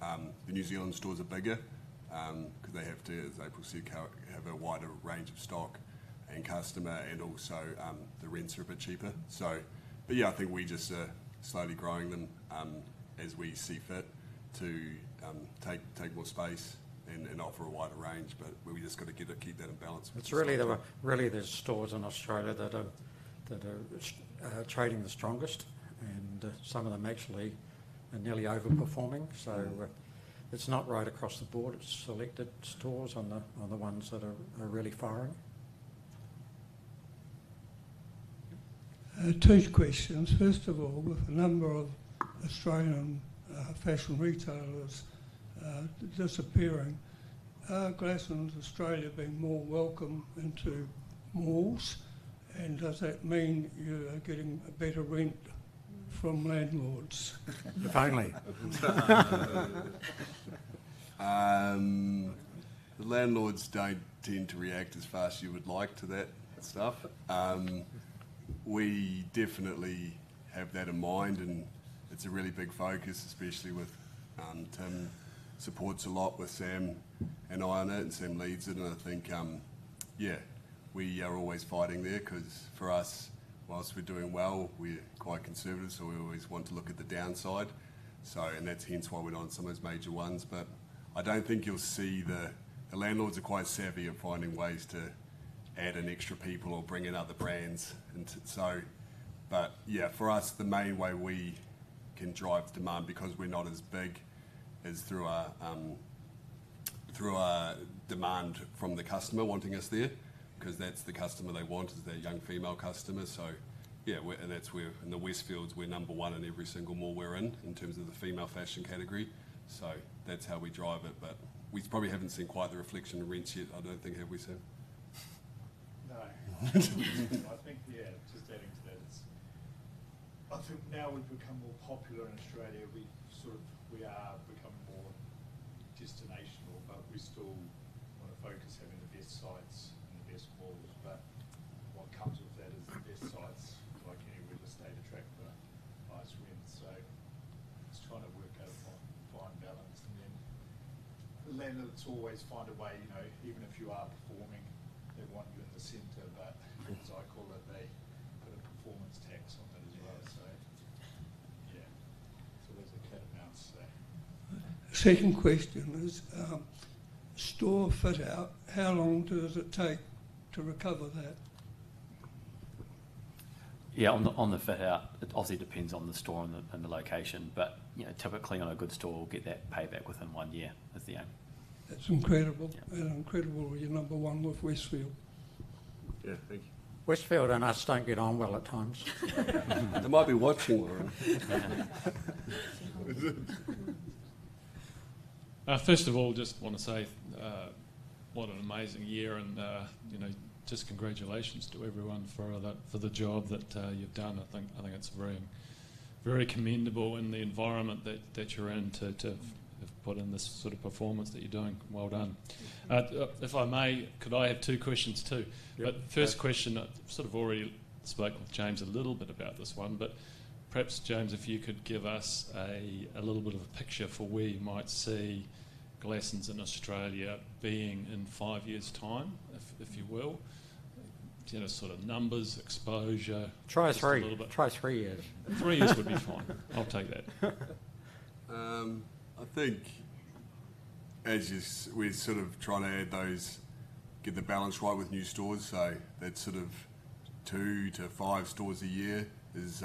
The New Zealand stores are bigger because they have to, as April said, have a wider range of stock and customer, and also the rents are a bit cheaper. So, but yeah, I think we're just slowly growing them as we see fit to take more space and offer a wider range, but we just got to keep that in balance. It's really the stores in Australia that are trading the strongest, and some of them actually are nearly overperforming. So, it's not right across the board. It's selected stores on the ones that are really firing. Two questions. First of all, with a number of Australian fashion retailers disappearing, is Glassons Australia being more welcome into malls, and does that mean you are getting a better rent from landlords? If only. Landlords don't tend to react as fast as you would like to that stuff. We definitely have that in mind, and it's a really big focus, especially with Tim supports a lot with Sam and I on it, and Sam leads it, and I think, yeah, we are always fighting there because for us, while we're doing well, we're quite conservative, so we always want to look at the downside. So, and that's hence why we're not on some of those major ones, but I don't think you'll see the landlords are quite savvy at finding ways to add an extra people or bring in other brands. So, but yeah, for us, the main way we can drive demand because we're not as big is through our demand from the customer wanting us there because that's the customer they want is their young female customers. So, yeah, and that's where in the Westfield, we're number one in every single mall we're in in terms of the female fashion category. So, that's how we drive it, but we probably haven't seen quite the reflection in rents yet, I don't think, have we, Sam? No. I think, yeah, just adding to that, I think now we've become more popular in Australia. We are becoming more destinational, but we still want to focus on having the best sites and the best malls, but what comes with that is the best sites like any real estate attracts highest rent. So, it's trying to work out a fine balance, and then the landlords always find a way, even if you are performing, they want you in the center, but as I call it, they put a performance tax on that as well. So, yeah, so there's a cat and mouse there. Second question is, store fit-out, how long does it take to recover that? Yeah, on the fit-out, it obviously depends on the store and the location, but typically on a good store, we'll get that payback within one year is the aim. That's incredible. You're number one with Westfield. Yeah, thank you. Westfield and us don't get on well at times. They might be watching. First of all, just want to say what an amazing year, and just congratulations to everyone for the job that you've done. I think it's very commendable in the environment that you're in to have put in this sort of performance that you're doing. Well done. If I may, could I have two questions too But first question, I've sort of already spoke with James a little bit about this one, but perhaps James, if you could give us a little bit of a picture for where you might see Glassons in Australia being in five years' time, if you will, sort of numbers, exposure. Try three. Try three years. Three years would be fine. I'll take that. I think as we're sort of trying to add those, get the balance right with new stores, so that sort of two to five stores a year is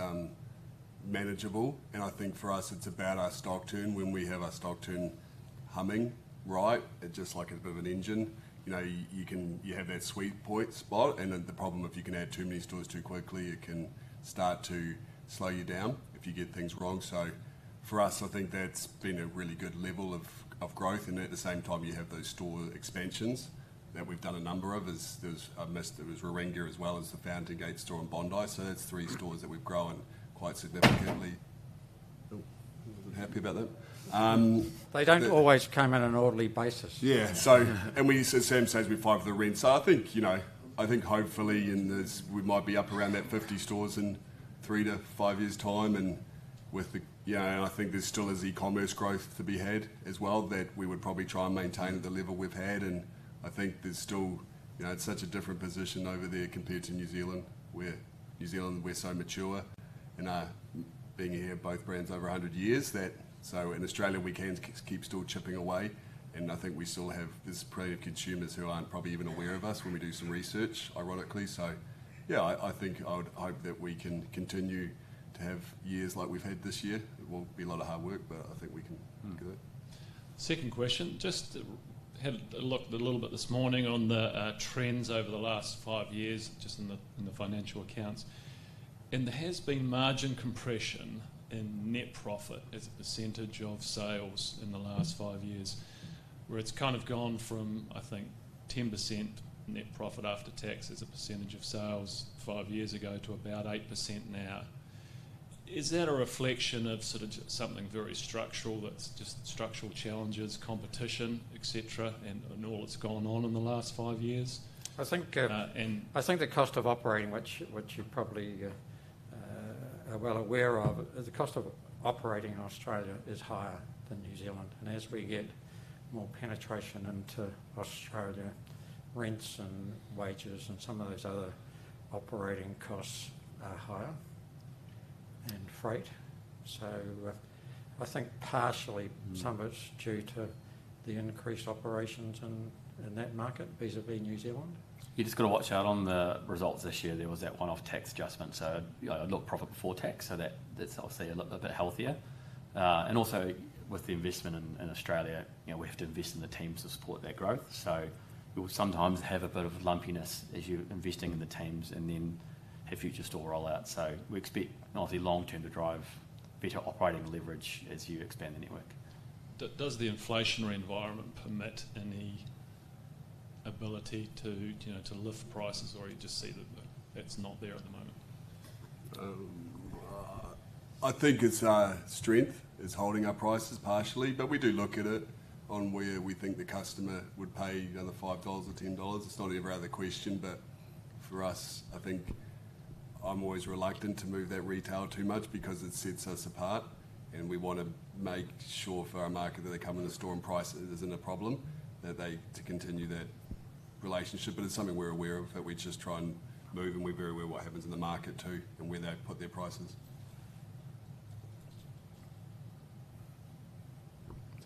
manageable. And I think for us, it's about our stock turn when we have our stock turn humming right, just like a bit of an engine. You have that sweet spot, and the problem if you can add too many stores too quickly, it can start to slow you down if you get things wrong. So, for us, I think that's been a really good level of growth, and at the same time, you have those store expansions that we've done a number of. There was Werribee as well as the Fountain Gate store and Bondi, so that's three stores that we've grown quite significantly. Wasn't happy about that. They don't always come in an orderly basis. Yeah. So, and Sam says we fight for the rent. So, I think hopefully we might be up around that 50 stores in three to five years' time, and I think there still is e-commerce growth to be had as well that we would probably try and maintain at the level we've had. And I think there's still, it's such a different position over there compared to New Zealand, where New Zealand, we're so mature in our being here both brands over 100 years. So, in Australia, we can keep the stores chipping away, and I think we still have this pool of consumers who aren't probably even aware of us when we do some research, ironically. So, yeah, I think I would hope that we can continue to have years like we've had this year. It will be a lot of hard work, but I think we can do it. Second question. Just had a look a little bit this morning on the trends over the last five years, just in the financial accounts. And there has been margin compression in net profit as a percentage of sales in the last five years, where it's kind of gone from, I think, 10% net profit after tax as a percentage of sales five years ago to about 8% now. Is that a reflection of sort of something very structural that's just structural challenges, competition, et cetera, and all that's gone on in the last five years? I think the cost of operating, which you're probably well aware of, the cost of operating in Australia is higher than New Zealand. And as we get more penetration into Australia, rents and wages and some of those other operating costs are higher and freight. So, I think partially some of it's due to the increased operations in that market vis-à-vis New Zealand. You just got to watch out on the results this year. There was that one-off tax adjustment, so a little profit before tax, so that's obviously a little bit healthier. And also with the investment in Australia, we have to invest in the teams to support that growth. So, we will sometimes have a bit of lumpiness as you're investing in the teams and then have future store rollouts. So, we expect obviously long-term to drive better operating leverage as you expand the network. Does the inflationary environment permit any ability to lift prices, or you just see that that's not there at the moment? I think it's our strength, is holding our prices partially, but we do look at it on where we think the customer would pay another $5 or $10. It's not ever out of the question, but for us, I think I'm always reluctant to move that retail too much because it sets us apart, and we want to make sure for our market that they come in the store and price isn't a problem, that they continue that relationship. But it's something we're aware of, that we just try and move, and we're very aware of what happens in the market too and where they put their prices.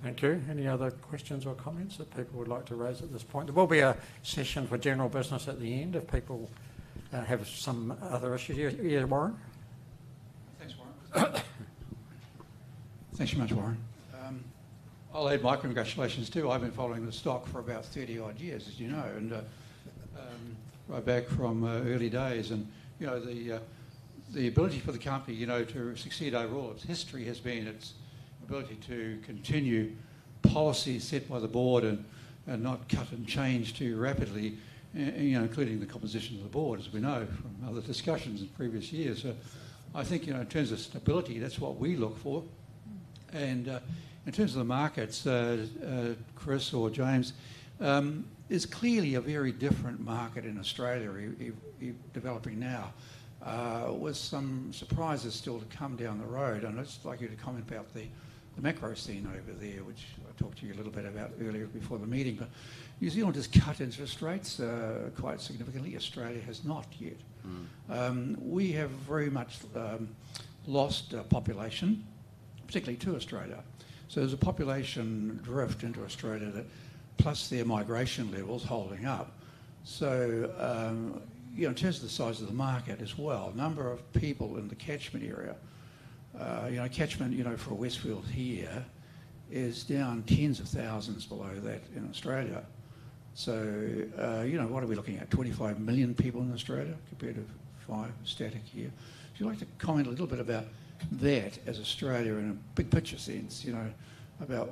Thank you. Any other questions or comments that people would like to raise at this point? There will be a session for general business at the end if people have some other issues. Yeah, Warren. Thanks, Warren. Thanks very much, Warren. I'll add my congratulations too. I've been following the stock for about 30-odd years, as you know, and right back from early days. And the ability for the company to succeed overall, its history has been its ability to continue policy set by the board and not cut and change too rapidly, including the composition of the board, as we know from other discussions in previous years. So, I think in terms of stability, that's what we look for. In terms of the markets, Chris or James, it's clearly a very different market in Australia developing now, with some surprises still to come down the road. I'd just like you to comment about the macro scene over there, which I talked to you a little bit about earlier before the meeting. New Zealand has cut interest rates quite significantly. Australia has not yet. We have very much lost a population, particularly to Australia. There's a population drift into Australia that, plus their migration levels, holding up. In terms of the size of the market as well, the number of people in the catchment area, catchment for Westfield here is down tens of thousands below that in Australia. What are we looking at? 25 million people in Australia compared to five million static here? If you'd like to comment a little bit about that as Australia in a big picture sense, about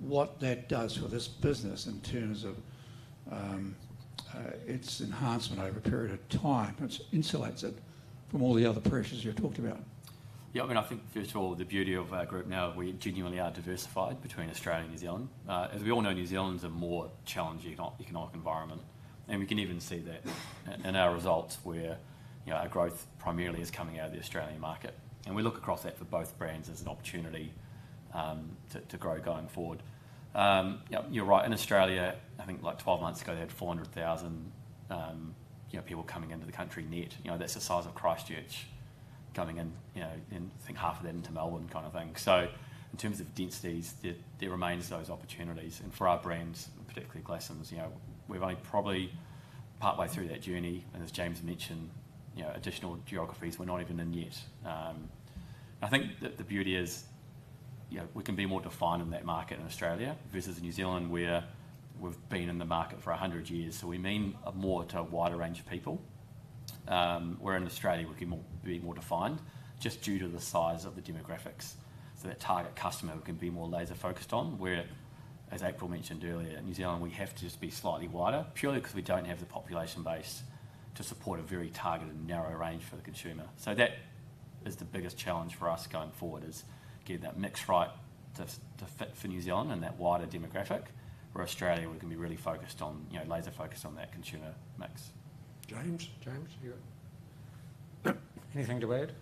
what that does for this business in terms of its enhancement over a period of time, which insulates it from all the other pressures you're talking about. Yeah, I mean, I think, first of all, the beauty of our group now, we genuinely are diversified between Australia and New Zealand. As we all know, New Zealand's a more challenging economic environment, and we can even see that in our results where our growth primarily is coming out of the Australian market. And we look across that for both brands as an opportunity to grow going forward. You're right. In Australia, I think like 12 months ago, they had 400,000 people coming into the country net. That's the size of Christchurch coming in, I think half of that into Melbourne kind of thing. So, in terms of densities, there remains those opportunities. And for our brands, particularly Glassons, we've only probably partway through that journey. And as James mentioned, additional geographies we're not even in yet. I think that the beauty is we can be more defined in that market in Australia versus New Zealand, where we've been in the market for 100 years. So, we mean more to a wider range of people. Where in Australia, we can be more defined just due to the size of the demographics. So, that target customer can be more laser-focused on, where, as April mentioned earlier, in New Zealand, we have to just be slightly wider, purely because we don't have the population base to support a very targeted and narrow range for the consumer. So, that is the biggest challenge for us going forward is getting that mix right to fit for New Zealand and that wider demographic, where Australia we can be really focused on, laser-focused on that consumer mix. James, James, you got anything to add?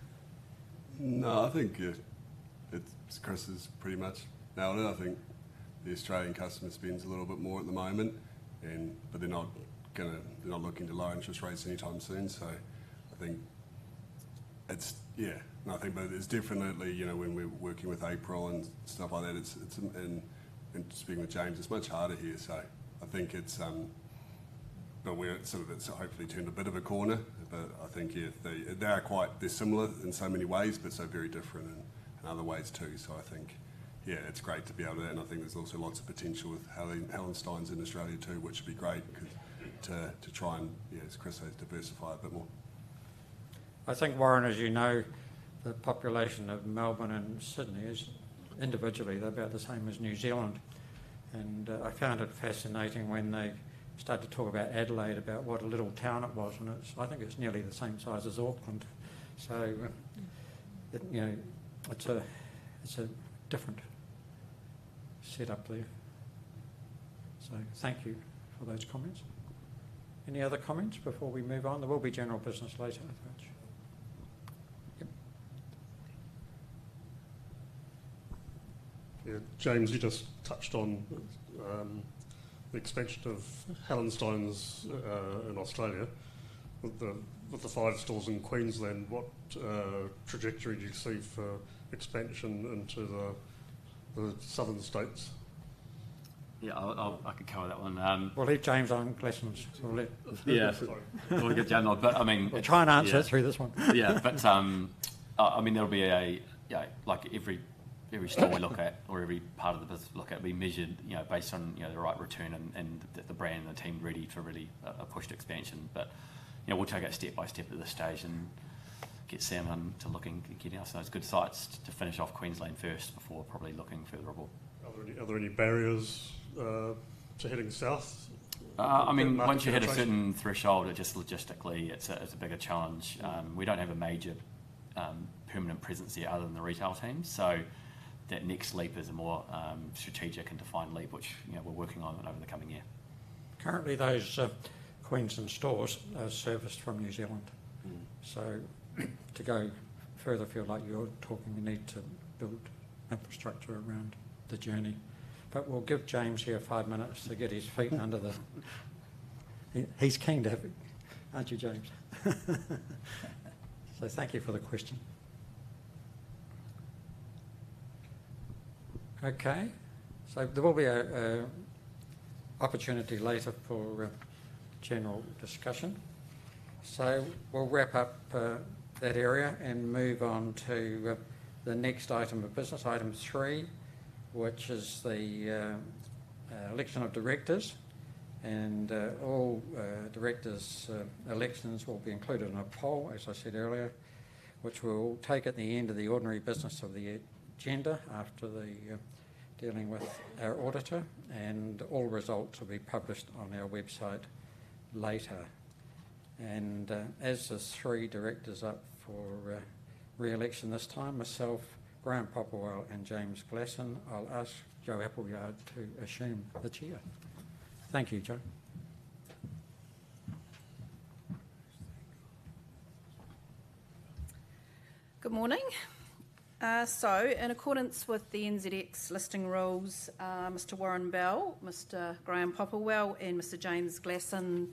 No, I think Chris has pretty much nailed it. I think the Australian customer spends a little bit more at the moment, but they're not looking to lower interest rates anytime soon. So, I think it's, yeah, and I think it's definitely when we're working with April and stuff like that, and speaking with James, it's much harder here. So, I think it's, but we're sort of hopefully turned a bit of a corner, but I think, yeah, they're quite similar in so many ways, but so very different in other ways too. So, I think, yeah, it's great to be able to, and I think there's also lots of potential with Hallensteins in Australia too, which would be great to try and, yeah, as Chris says, diversify a bit more. I think, Warren, as you know, the population of Melbourne and Sydney is individually, they're about the same as New Zealand. And I found it fascinating when they started to talk about Adelaide, about what a little town it was, and I think it's nearly the same size as Auckland. So, it's a different setup there. So, thank you for those comments. Any other comments before we move on? There will be general business later, I think. James, you just touched on the expansion of Hallensteins in Australia. With the five stores in Queensland, what trajectory do you see for expansion into the southern states? Yeah, I could cover that one. Will it, James, on Glassons? Yeah, sorry. I'm going to get you on, but I mean. I'll try and answer it through this one. Yeah, but I mean, there'll be a, yeah, like every store we look at, or every part of the business we look at, we measure based on the right return and the brand and the team ready for really a pushed expansion. But we'll take it step by step at this stage and get Sam on to looking and getting us those good sites to finish off Queensland first before probably looking further abroad. Are there any barriers to heading south? I mean, once you hit a certain threshold, it just logistically, it's a bigger challenge. We don't have a major permanent presence other than the retail team. So, that next leap is a more strategic and defined leap, which we're working on over the coming year. Currently, those Queensland stores are serviced from New Zealand. So, to go further, if you're like you're talking, we need to build infrastructure around the journey. But we'll give James here five minutes to get his feet under the. He's keen to have it, aren't you, James? So, thank you for the question. Okay. So, there will be an opportunity later for general discussion. So, we'll wrap up that area and move on to the next item of business, item three, which is the election of directors. And all directors' elections will be included in a poll, as I said earlier, which we'll take at the end of the ordinary business of the agenda after dealing with our auditor. And all results will be published on our website later. As the three directors up for re-election this time, myself, Graeme Popplewell, and James Glasson, I'll ask Jo Appleyard to assume the chair. Thank you, Jo. Good morning. In accordance with the NZX listing rules, Mr. Warren Bell, Mr. Graeme Popplewell, and Mr. James Glasson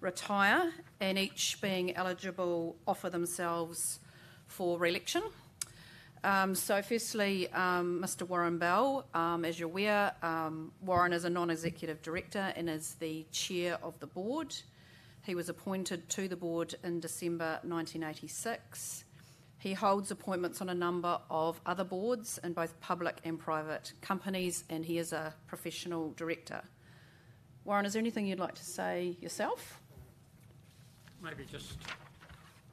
retire, and each being eligible offer themselves for re-election. Firstly, Mr. Warren Bell, as you're aware, Warren is a non-executive director and is the chair of the board. He was appointed to the board in December 1986. He holds appointments on a number of other boards in both public and private companies, and he is a professional director. Warren, is there anything you'd like to say yourself? Maybe just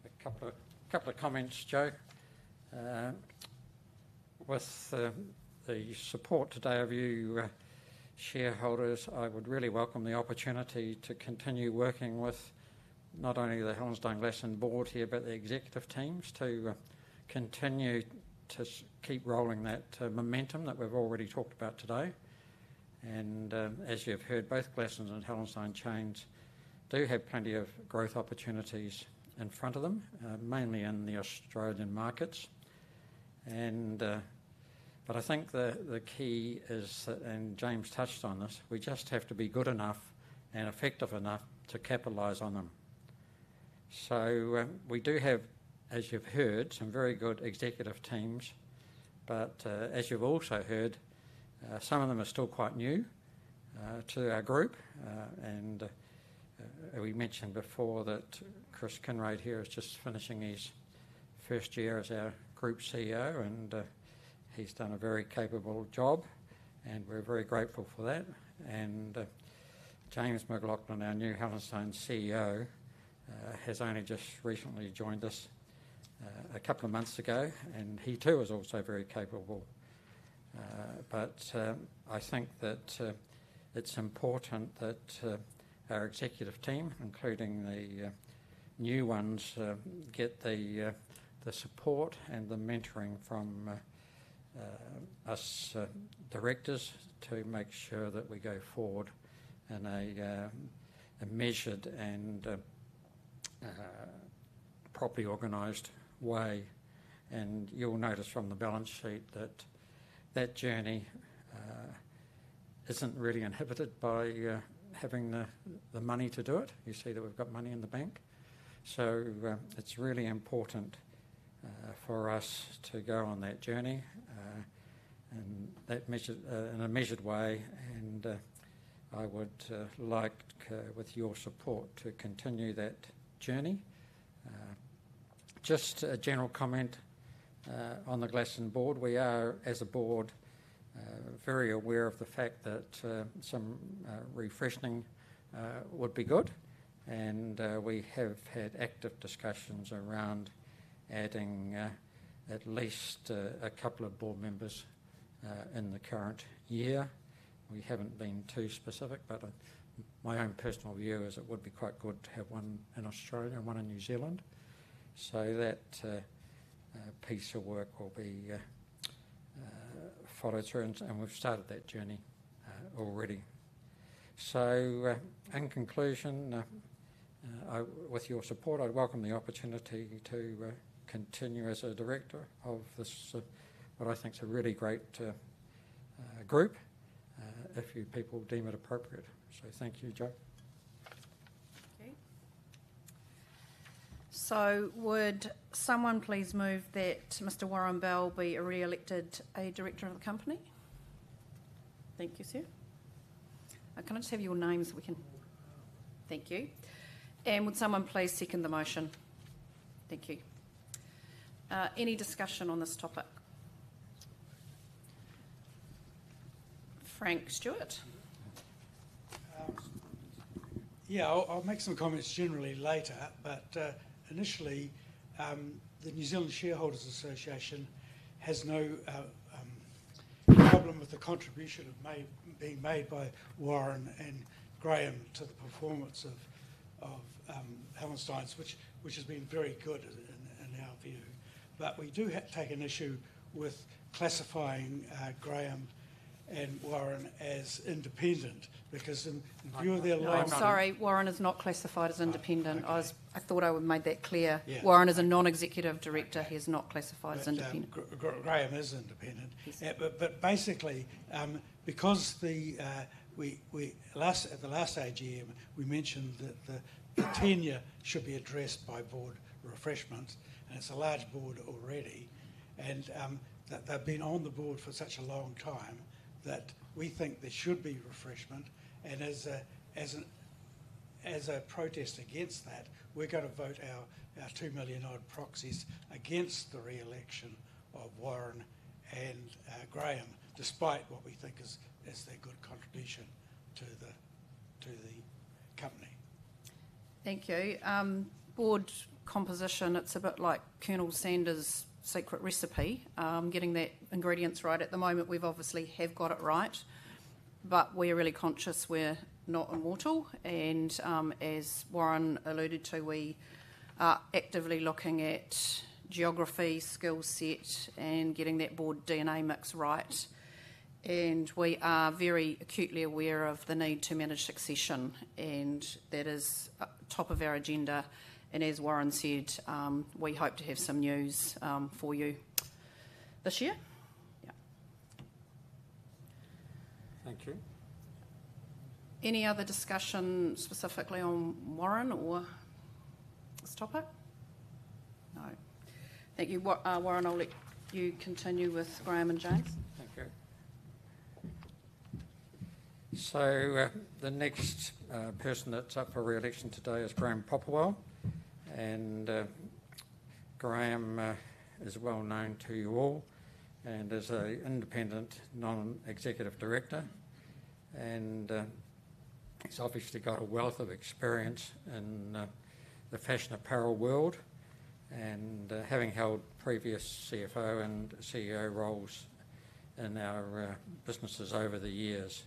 a couple of comments, Jo. With the support today of you shareholders, I would really welcome the opportunity to continue working with not only the Hallenstein Glasson board here, but the executive teams to continue to keep rolling that momentum that we've already talked about today. And as you've heard, both Glassons' and Hallensteins chains do have plenty of growth opportunities in front of them, mainly in the Australian markets. But I think the key is, and James touched on this, we just have to be good enough and effective enough to capitalize on them. So, we do have, as you've heard, some very good executive teams. But as you've also heard, some of them are still quite new to our group. And we mentioned before that Chris Kinraid here is just finishing his first year as our Group CEO, and he's done a very capable job, and we're very grateful for that. James McLaughlin, our new Hallensteins CEO, has only just recently joined us a couple of months ago, and he too is also very capable. I think that it's important that our executive team, including the new ones, get the support and the mentoring from us directors to make sure that we go forward in a measured and properly organized way. You'll notice from the balance sheet that that journey isn't really inhibited by having the money to do it. You see that we've got money in the bank. It's really important for us to go on that journey in a measured way. I would like, with your support, to continue that journey. Just a general comment on the Glassons board. We are, as a board, very aware of the fact that some refreshing would be good. We have had active discussions around adding at least a couple of board members in the current year. We haven't been too specific, but my own personal view is it would be quite good to have one in Australia and one in New Zealand. So, that piece of work will be followed through, and we've started that journey already. So, in conclusion, with your support, I'd welcome the opportunity to continue as a director of this, what I think is a really great group, if you people deem it appropriate. So, thank you, Jo. Okay. So, would someone please move that Mr. Warren Bell be re-elected a director of the company? Thank you, sir. Can I just have your names so we can? Thank you. And would someone please second the motion? Thank you. Any discussion on this topic? Frank Stewart. Yeah, I'll make some comments generally later, but initially, the New Zealand Shareholders Association has no problem with the contribution being made by Warren and Graeme to the performance of Hallensteins, which has been very good in our view. But we do take an issue with classifying Graeme and Warren as independent because in view of their line of. I'm sorry, Warren is not classified as independent. I thought I would have made that clear. Warren is a non-executive director. He is not classified as independent. Graeme is independent. But basically, because at the last AGM, we mentioned that the tenure should be addressed by board refreshments, and it's a large board already, and they've been on the board for such a long time that we think there should be refreshment. As a protest against that, we're going to vote our two million odd proxies against the re-election of Warren and Graeme, despite what we think is their good contribution to the company. Thank you. Board composition, it's a bit like Colonel Sanders' secret recipe, getting the ingredients right. At the moment, we've obviously got it right, but we're really conscious we're not immortal. As Warren alluded to, we are actively looking at geography, skill set, and getting that board DNA mix right. We are very acutely aware of the need to manage succession, and that is top of our agenda. As Warren said, we hope to have some news for you this year. Yeah. Thank you. Any other discussion specifically on Warren or this topic? No. Thank you. Warren, I'll let you continue with Graeme and James. Thank you. The next person that's up for re-election today is Graeme Popplewell, and Graeme is well known to you all and is an independent non-executive director. He's obviously got a wealth of experience in the fashion apparel world and having held previous CFO and CEO roles in our businesses over the years.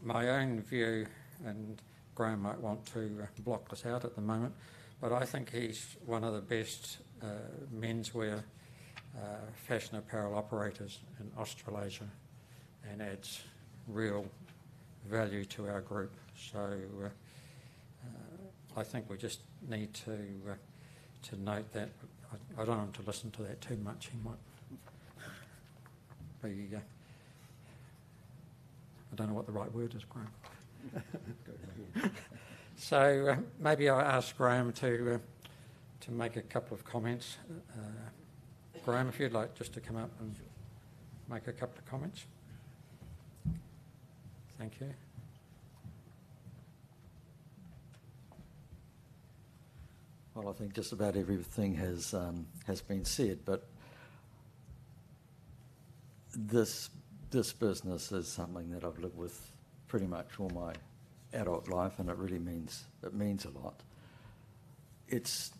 My own view, and Graeme might want to block us out at the moment, but I think he's one of the best menswear fashion apparel operators in Australasia and adds real value to our group. I think we just need to note that. I don't want to listen to that too much. He might be... I don't know what the right word is, Graeme. Maybe I'll ask Graeme to make a couple of comments. Graeme, if you'd like just to come up and make a couple of comments. Thank you. Well, I think just about everything has been said, but this business is something that I've lived with pretty much all my adult life, and it really means a lot. It's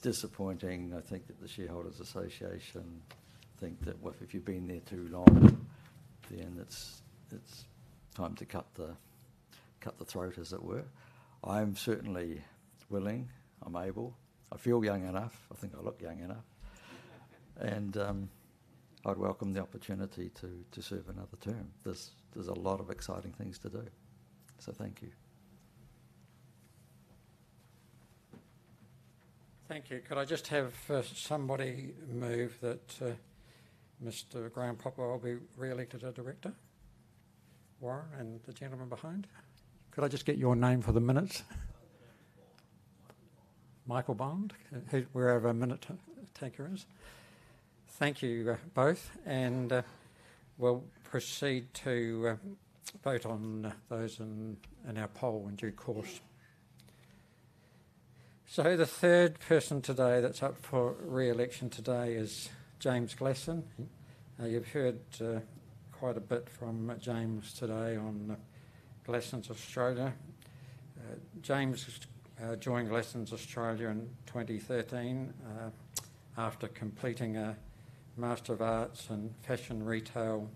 disappointing, I think, that the shareholders' association think that if you've been there too long, then it's time to cut the throat, as it were. I'm certainly willing. I'm able. I feel young enough. I think I look young enough. And I'd welcome the opportunity to serve another term. There's a lot of exciting things to do. So, thank you. Thank you. Could I just have somebody move that Mr. Graeme Popplewell be re-elected a director, Warren and the gentleman behind? Could I just get your name for the minutes? Michael Bond. Michael Bond. Wherever minute taker is. Thank you both. And we'll proceed to vote on those in our poll in due course. The third person today that's up for re-election today is James Glasson. You've heard quite a bit from James today on Glassons Australia. James joined Glassons Australia in 2013 after completing a Master of Arts in Fashion Retail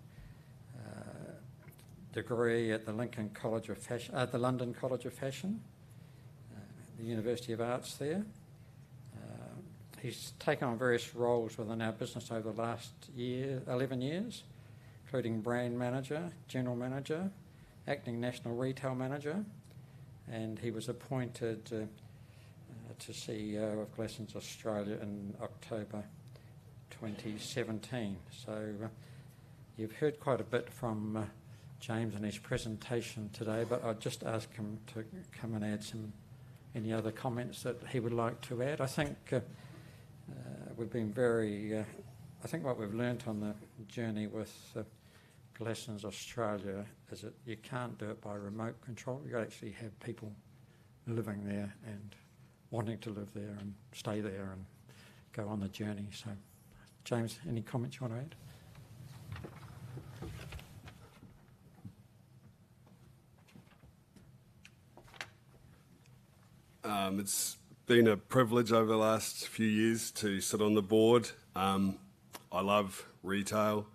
degree at the London College of Fashion, the University of the Arts there. He's taken on various roles within our business over the last 11 years, including brand manager, general manager, acting national retail manager. He was appointed to CEO of Glassons Australia in October 2017. You've heard quite a bit from James and his presentation today, but I'd just ask him to come and add any other comments that he would like to add. I think we've been very... I think what we've learned on the journey with Glassons Australia is that you can't do it by remote control. You've got to actually have people living there and wanting to live there and stay there and go on the journey, so James, any comments you want to add? It's been a privilege over the last few years to sit on the board. I love retail.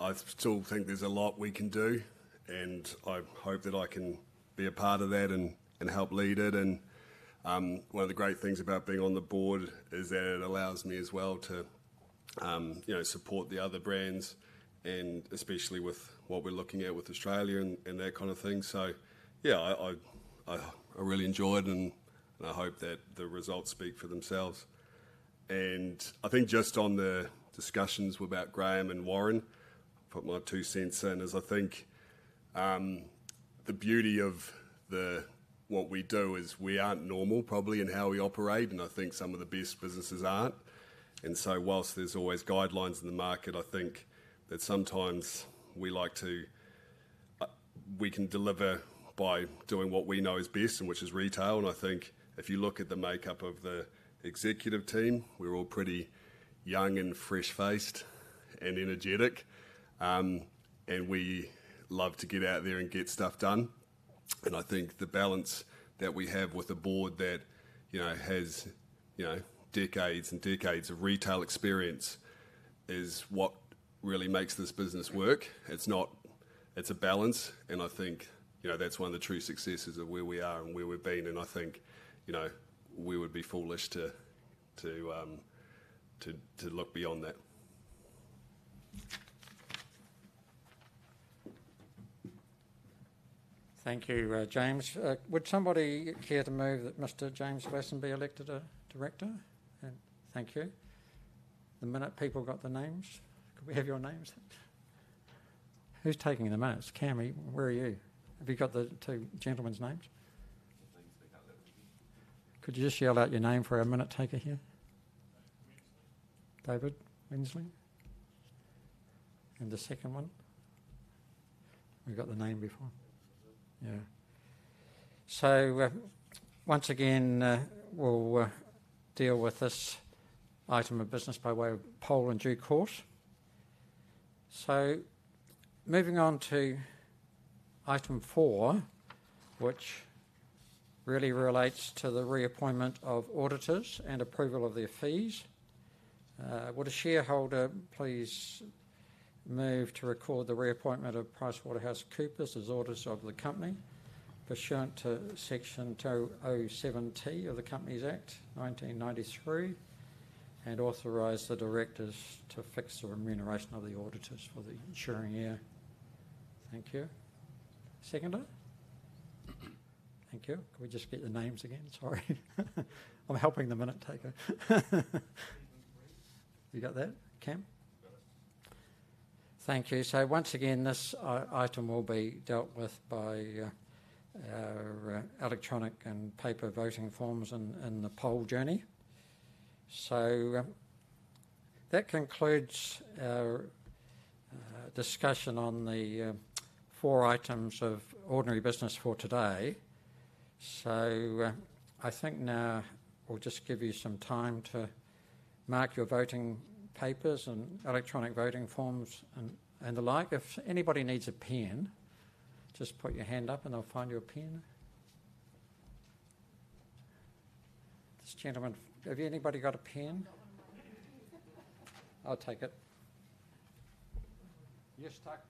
I still think there's a lot we can do, and I hope that I can be a part of that and help lead it and one of the great things about being on the board is that it allows me as well to support the other brands, and especially with what we're looking at with Australia and that kind of thing, so yeah, I really enjoy it, and I hope that the results speak for themselves. I think just on the discussions about Graeme and Warren, I'll put my two cents in, is I think the beauty of what we do is we aren't normal, probably, in how we operate, and I think some of the best businesses aren't. And so, while there's always guidelines in the market, I think that sometimes we like to... we can deliver by doing what we know is best, which is retail. And I think if you look at the makeup of the executive team, we're all pretty young and fresh-faced and energetic, and we love to get out there and get stuff done. And I think the balance that we have with a board that has decades and decades of retail experience is what really makes this business work. It's a balance, and I think that's one of the true successes of where we are and where we've been. And I think we would be foolish to look beyond that. Thank you, James. Would somebody care to move that Mr. James Glasson be elected a director? Thank you. The minute people got the names, could we have your names? Who's taking the minutes? Cam, where are you? Have you got the two gentlemen's names? Could you just yell out your name for a minute taker here? David Winsley. And the second one? We've got the name before. Yeah. So, once again, we'll deal with this item of business by way of poll in due course. So, moving on to item four, which really relates to the reappointment of auditors and approval of their fees. Would a shareholder please move to record the reappointment of PricewaterhouseCoopers as auditors of the company pursuant to Section 207T of the Companies Act, 1993, and authorize the directors to fix the remuneration of the auditors for the ensuing year? Thank you. Seconder? Thank you. Can we just get the names again? Sorry. I'm helping the minute taker. You got that? Cam? Thank you. So, once again, this item will be dealt with by our electronic and paper voting forms in the poll only. So, that concludes our discussion on the four items of ordinary business for today. So, I think now we'll just give you some time to mark your voting papers and electronic voting forms and the like. If anybody needs a pen, just put your hand up and they'll find your pen. This gentleman, have anybody got a pen? I'll take it. You're stuck. Oh, I hope you know I will carry you home whether it's tonight or 55 years down the road. Oh, I know there's so many ways that this could go. Don't want you to wonder, darling, I need you to know in this and every life, aren't you glad every time. We were just 43 men. Our whole life fit in that car. Didn't have a bed to sleep in. We kept each other warm under a ceiling full of stars. These days, these nights, they change my mind. Said all the time, I'd like to say it. To say I do. Oh, I hope you know I will carry you home whether it's tonight or 55 years down the road. Oh, I know there's so many ways that this.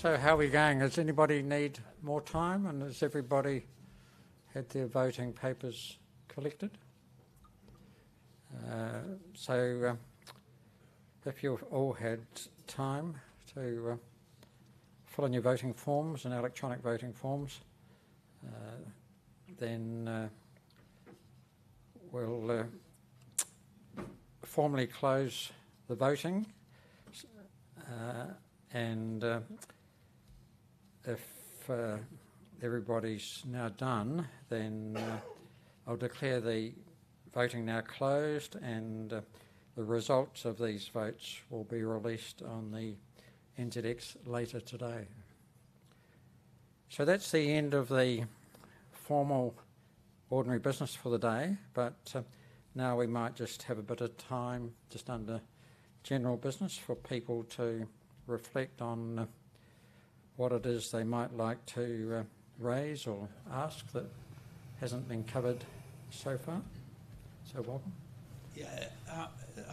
So, how are we going? Does anybody need more time? And has everybody had their voting papers collected? So, if you all had time to fill in your voting forms and electronic voting forms, then we'll formally close the voting. And if everybody's now done, then I'll declare the voting now closed, and the results of these votes will be released on the NZX later today. So, that's the end of the formal ordinary business for the day. But now we might just have a bit of time just under general business for people to reflect on what it is they might like to raise or ask that hasn't been covered so far. So, welcome. Yeah.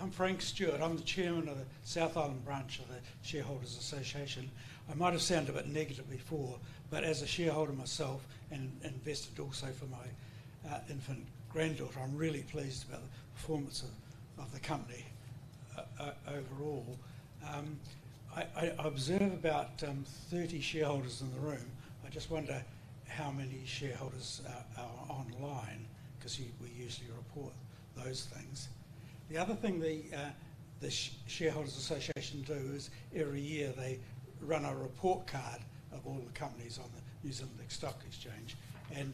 I'm Frank Stewart. I'm the chairman of the South Island branch of the Shareholders Association. I might have sounded a bit negative before, but as a shareholder myself and invested also for my infant granddaughter, I'm really pleased about the performance of the company overall. I observe about 30 shareholders in the room. I just wonder how many shareholders are online because we usually report those things. The other thing the Shareholders Association do is every year they run a report card of all the companies on the New Zealand Stock Exchange, and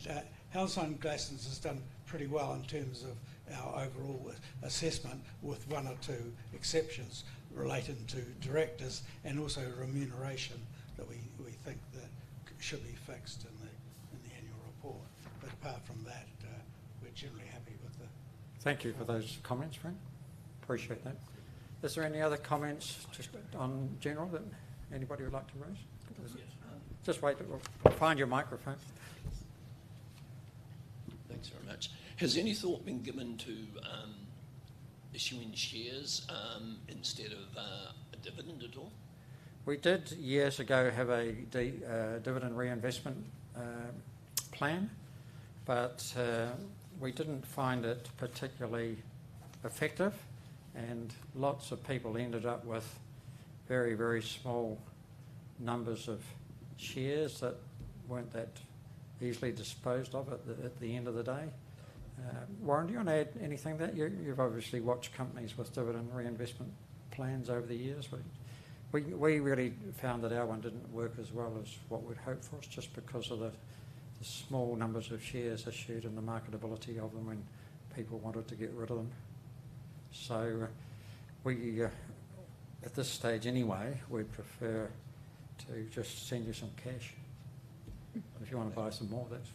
Hallenstein Glassons has done pretty well in terms of our overall assessment, with one or two exceptions relating to directors and also remuneration that we think should be fixed in the annual report. But apart from that, we're generally happy with the. Thank you for those comments, Frank. Appreciate that. Is there any other comments on general that anybody would like to raise? Just wait. We'll find your microphone. Thanks very much. Has any thought been given to issuing shares instead of a dividend at all? We did years ago have a dividend reinvestment plan, but we didn't find it particularly effective. Lots of people ended up with very, very small numbers of shares that weren't that easily disposed of at the end of the day. Warren, do you want to add anything there? You've obviously watched companies with dividend reinvestment plans over the years. We really found that our one didn't work as well as what we'd hoped for, just because of the small numbers of shares issued and the marketability of them when people wanted to get rid of them. So, at this stage anyway, we'd prefer to just send you some cash. If you want to buy some more, that's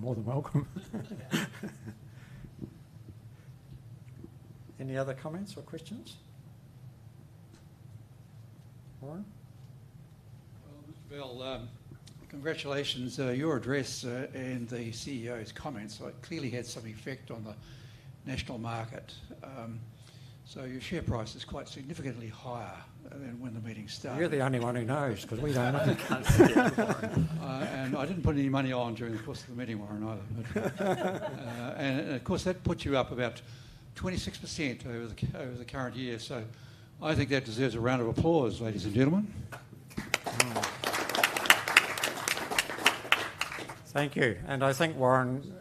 more than welcome. Any other comments or questions? Warren? Well, Mr. Bell, congratulations. Your address and the CEO's comments clearly had some effect on the national market. So, your share price is quite significantly higher than when the meeting started. You're the only one who knows because we don't. And I didn't put any money on during the course of the meeting, Warren, either. And of course, that puts you up about 26% over the current year. So, I think that deserves a round of applause, ladies and gentlemen. Thank you. And I think, Warren,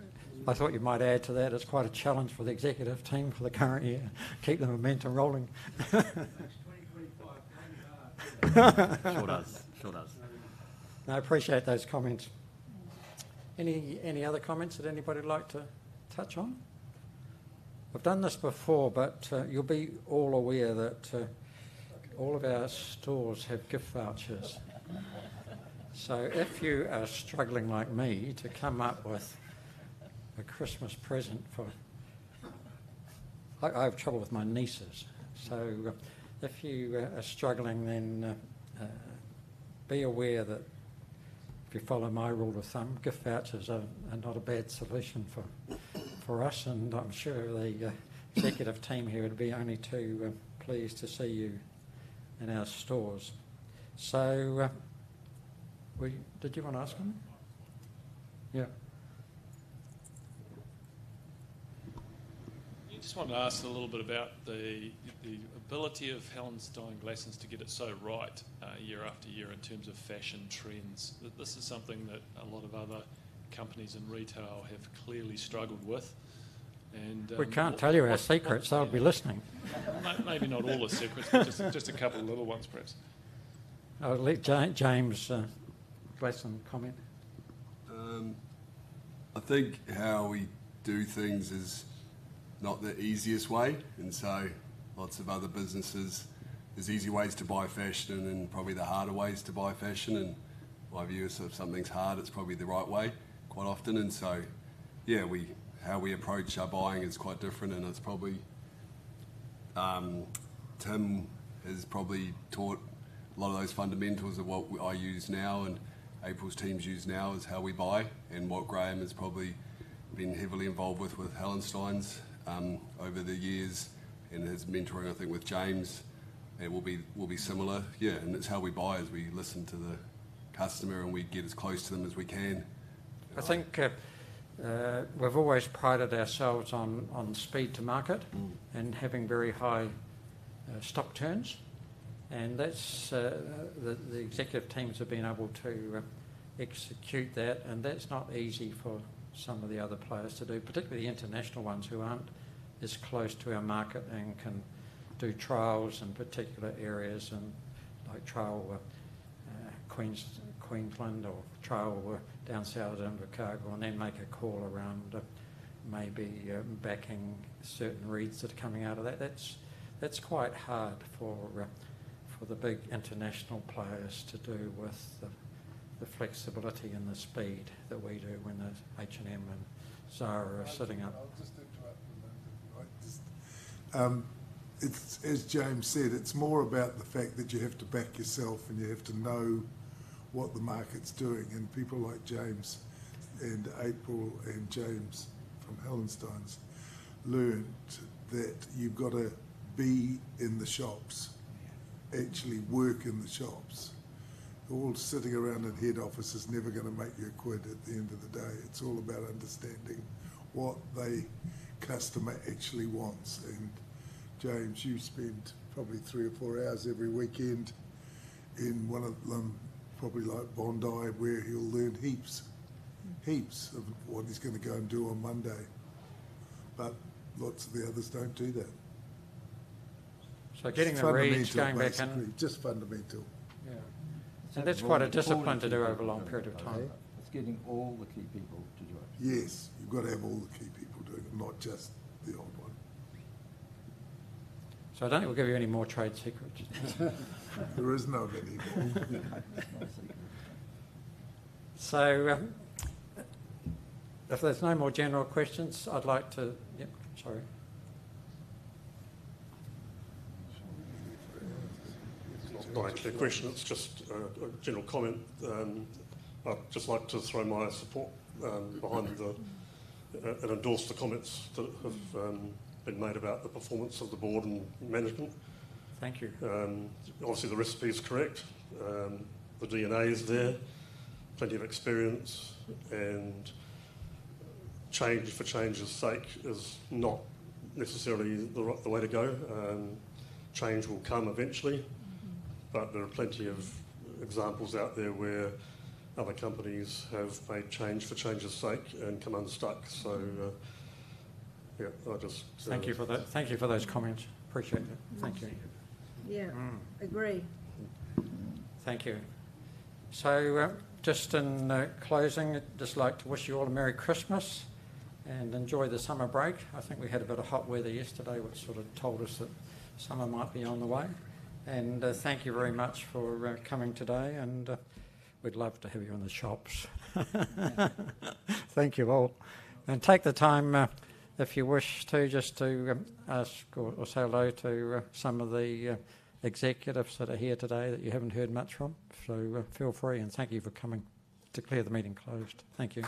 I thought you might add to that it's quite a challenge for the executive team for the current year to keep the momentum rolling. Sure does. Sure does. I appreciate those comments. Any other comments that anybody would like to touch on? We've done this before, but you'll be all aware that all of our stores have gift vouchers. So, if you are struggling like me to come up with a Christmas present for—I have trouble with my nieces. So, if you are struggling, then be aware that if you follow my rule of thumb, gift vouchers are not a bad solution for us. And I'm sure the executive team here would be only too pleased to see you in our stores. So, did you want to ask him? Yeah. I just wanted to ask a little bit about the ability of Hallensteins Glassons to get it so right year after year in terms of fashion trends. This is something that a lot of other companies in retail have clearly struggled with. And. We can't tell you our secrets, so I'll be listening. Maybe not all the secrets, but just a couple of little ones, perhaps. Oh, let James Glasson comment. I think how we do things is not the easiest way. And so, lots of other businesses. There's easy ways to buy fashion and probably the harder ways to buy fashion. And my view is if something's hard, it's probably the right way quite often. And so, yeah, how we approach our buying is quite different. And Tim has probably taught a lot of those fundamentals of what I use now and April's teams use now is how we buy. And what Graeme has probably been heavily involved with Hallensteins over the years and his mentoring, I think, with James, it will be similar. Yeah. And it's how we buy as we listen to the customer and we get as close to them as we can. I think we've always prided ourselves on speed to market and having very high stock turns. And the executive teams have been able to execute that. That's not easy for some of the other players to do, particularly the international ones who aren't as close to our market and can do trials in particular areas like trial in Queensland or trial down south in Christchurch and then make a call around maybe backing certain reads that are coming out of that. That's quite hard for the big international players to do with the flexibility and the speed that we do when H&M and Zara are sitting up. I'll just interrupt for a moment. As James said, it's more about the fact that you have to back yourself and you have to know what the market's doing. People like James and April and James from Hallensteins learned that you've got to be in the shops, actually work in the shops. All sitting around in head office is never going to make you a quid at the end of the day. It's all about understanding what the customer actually wants. And James, you spend probably three or four hours every weekend in one of them, probably like Bondi, where he'll learn heaps, heaps of what he's going to go and do on Monday. But lots of the others don't do that. So getting the reads going back in. Just fundamental. Yeah. So that's quite a discipline to do over a long period of time. It's getting all the key people to do it. Yes. You've got to have all the key people doing it, not just the old one. So I don't think we'll give you any more trade secrets. There is no more. So if there's no more general questions, I'd like to. Yeah, sorry. It's not actually a question.It's just a general comment. I'd just like to throw my support behind and endorse the comments that have been made about the performance of the board and management. Thank you. Obviously, the recipe is correct. The DNA is there. Plenty of experience and change for change's sake is not necessarily the way to go. Change will come eventually but there are plenty of examples out there where other companies have made change for change's sake and come unstuck. So yeah, I just. Thank you for those comments. Appreciate that. Thank you. Yeah. Agree. Thank you so just in closing, I'd just like to wish you all a Merry Christmas and enjoy the summer break. I think we had a bit of hot weather yesterday, which sort of told us that summer might be on the way and thank you very much for coming today. And we'd love to have you in the shops. Thank you all. And take the time, if you wish to, just to ask or say hello to some of the executives that are here today that you haven't heard much from. So feel free. And thank you for coming to declare the meeting closed. Thank you.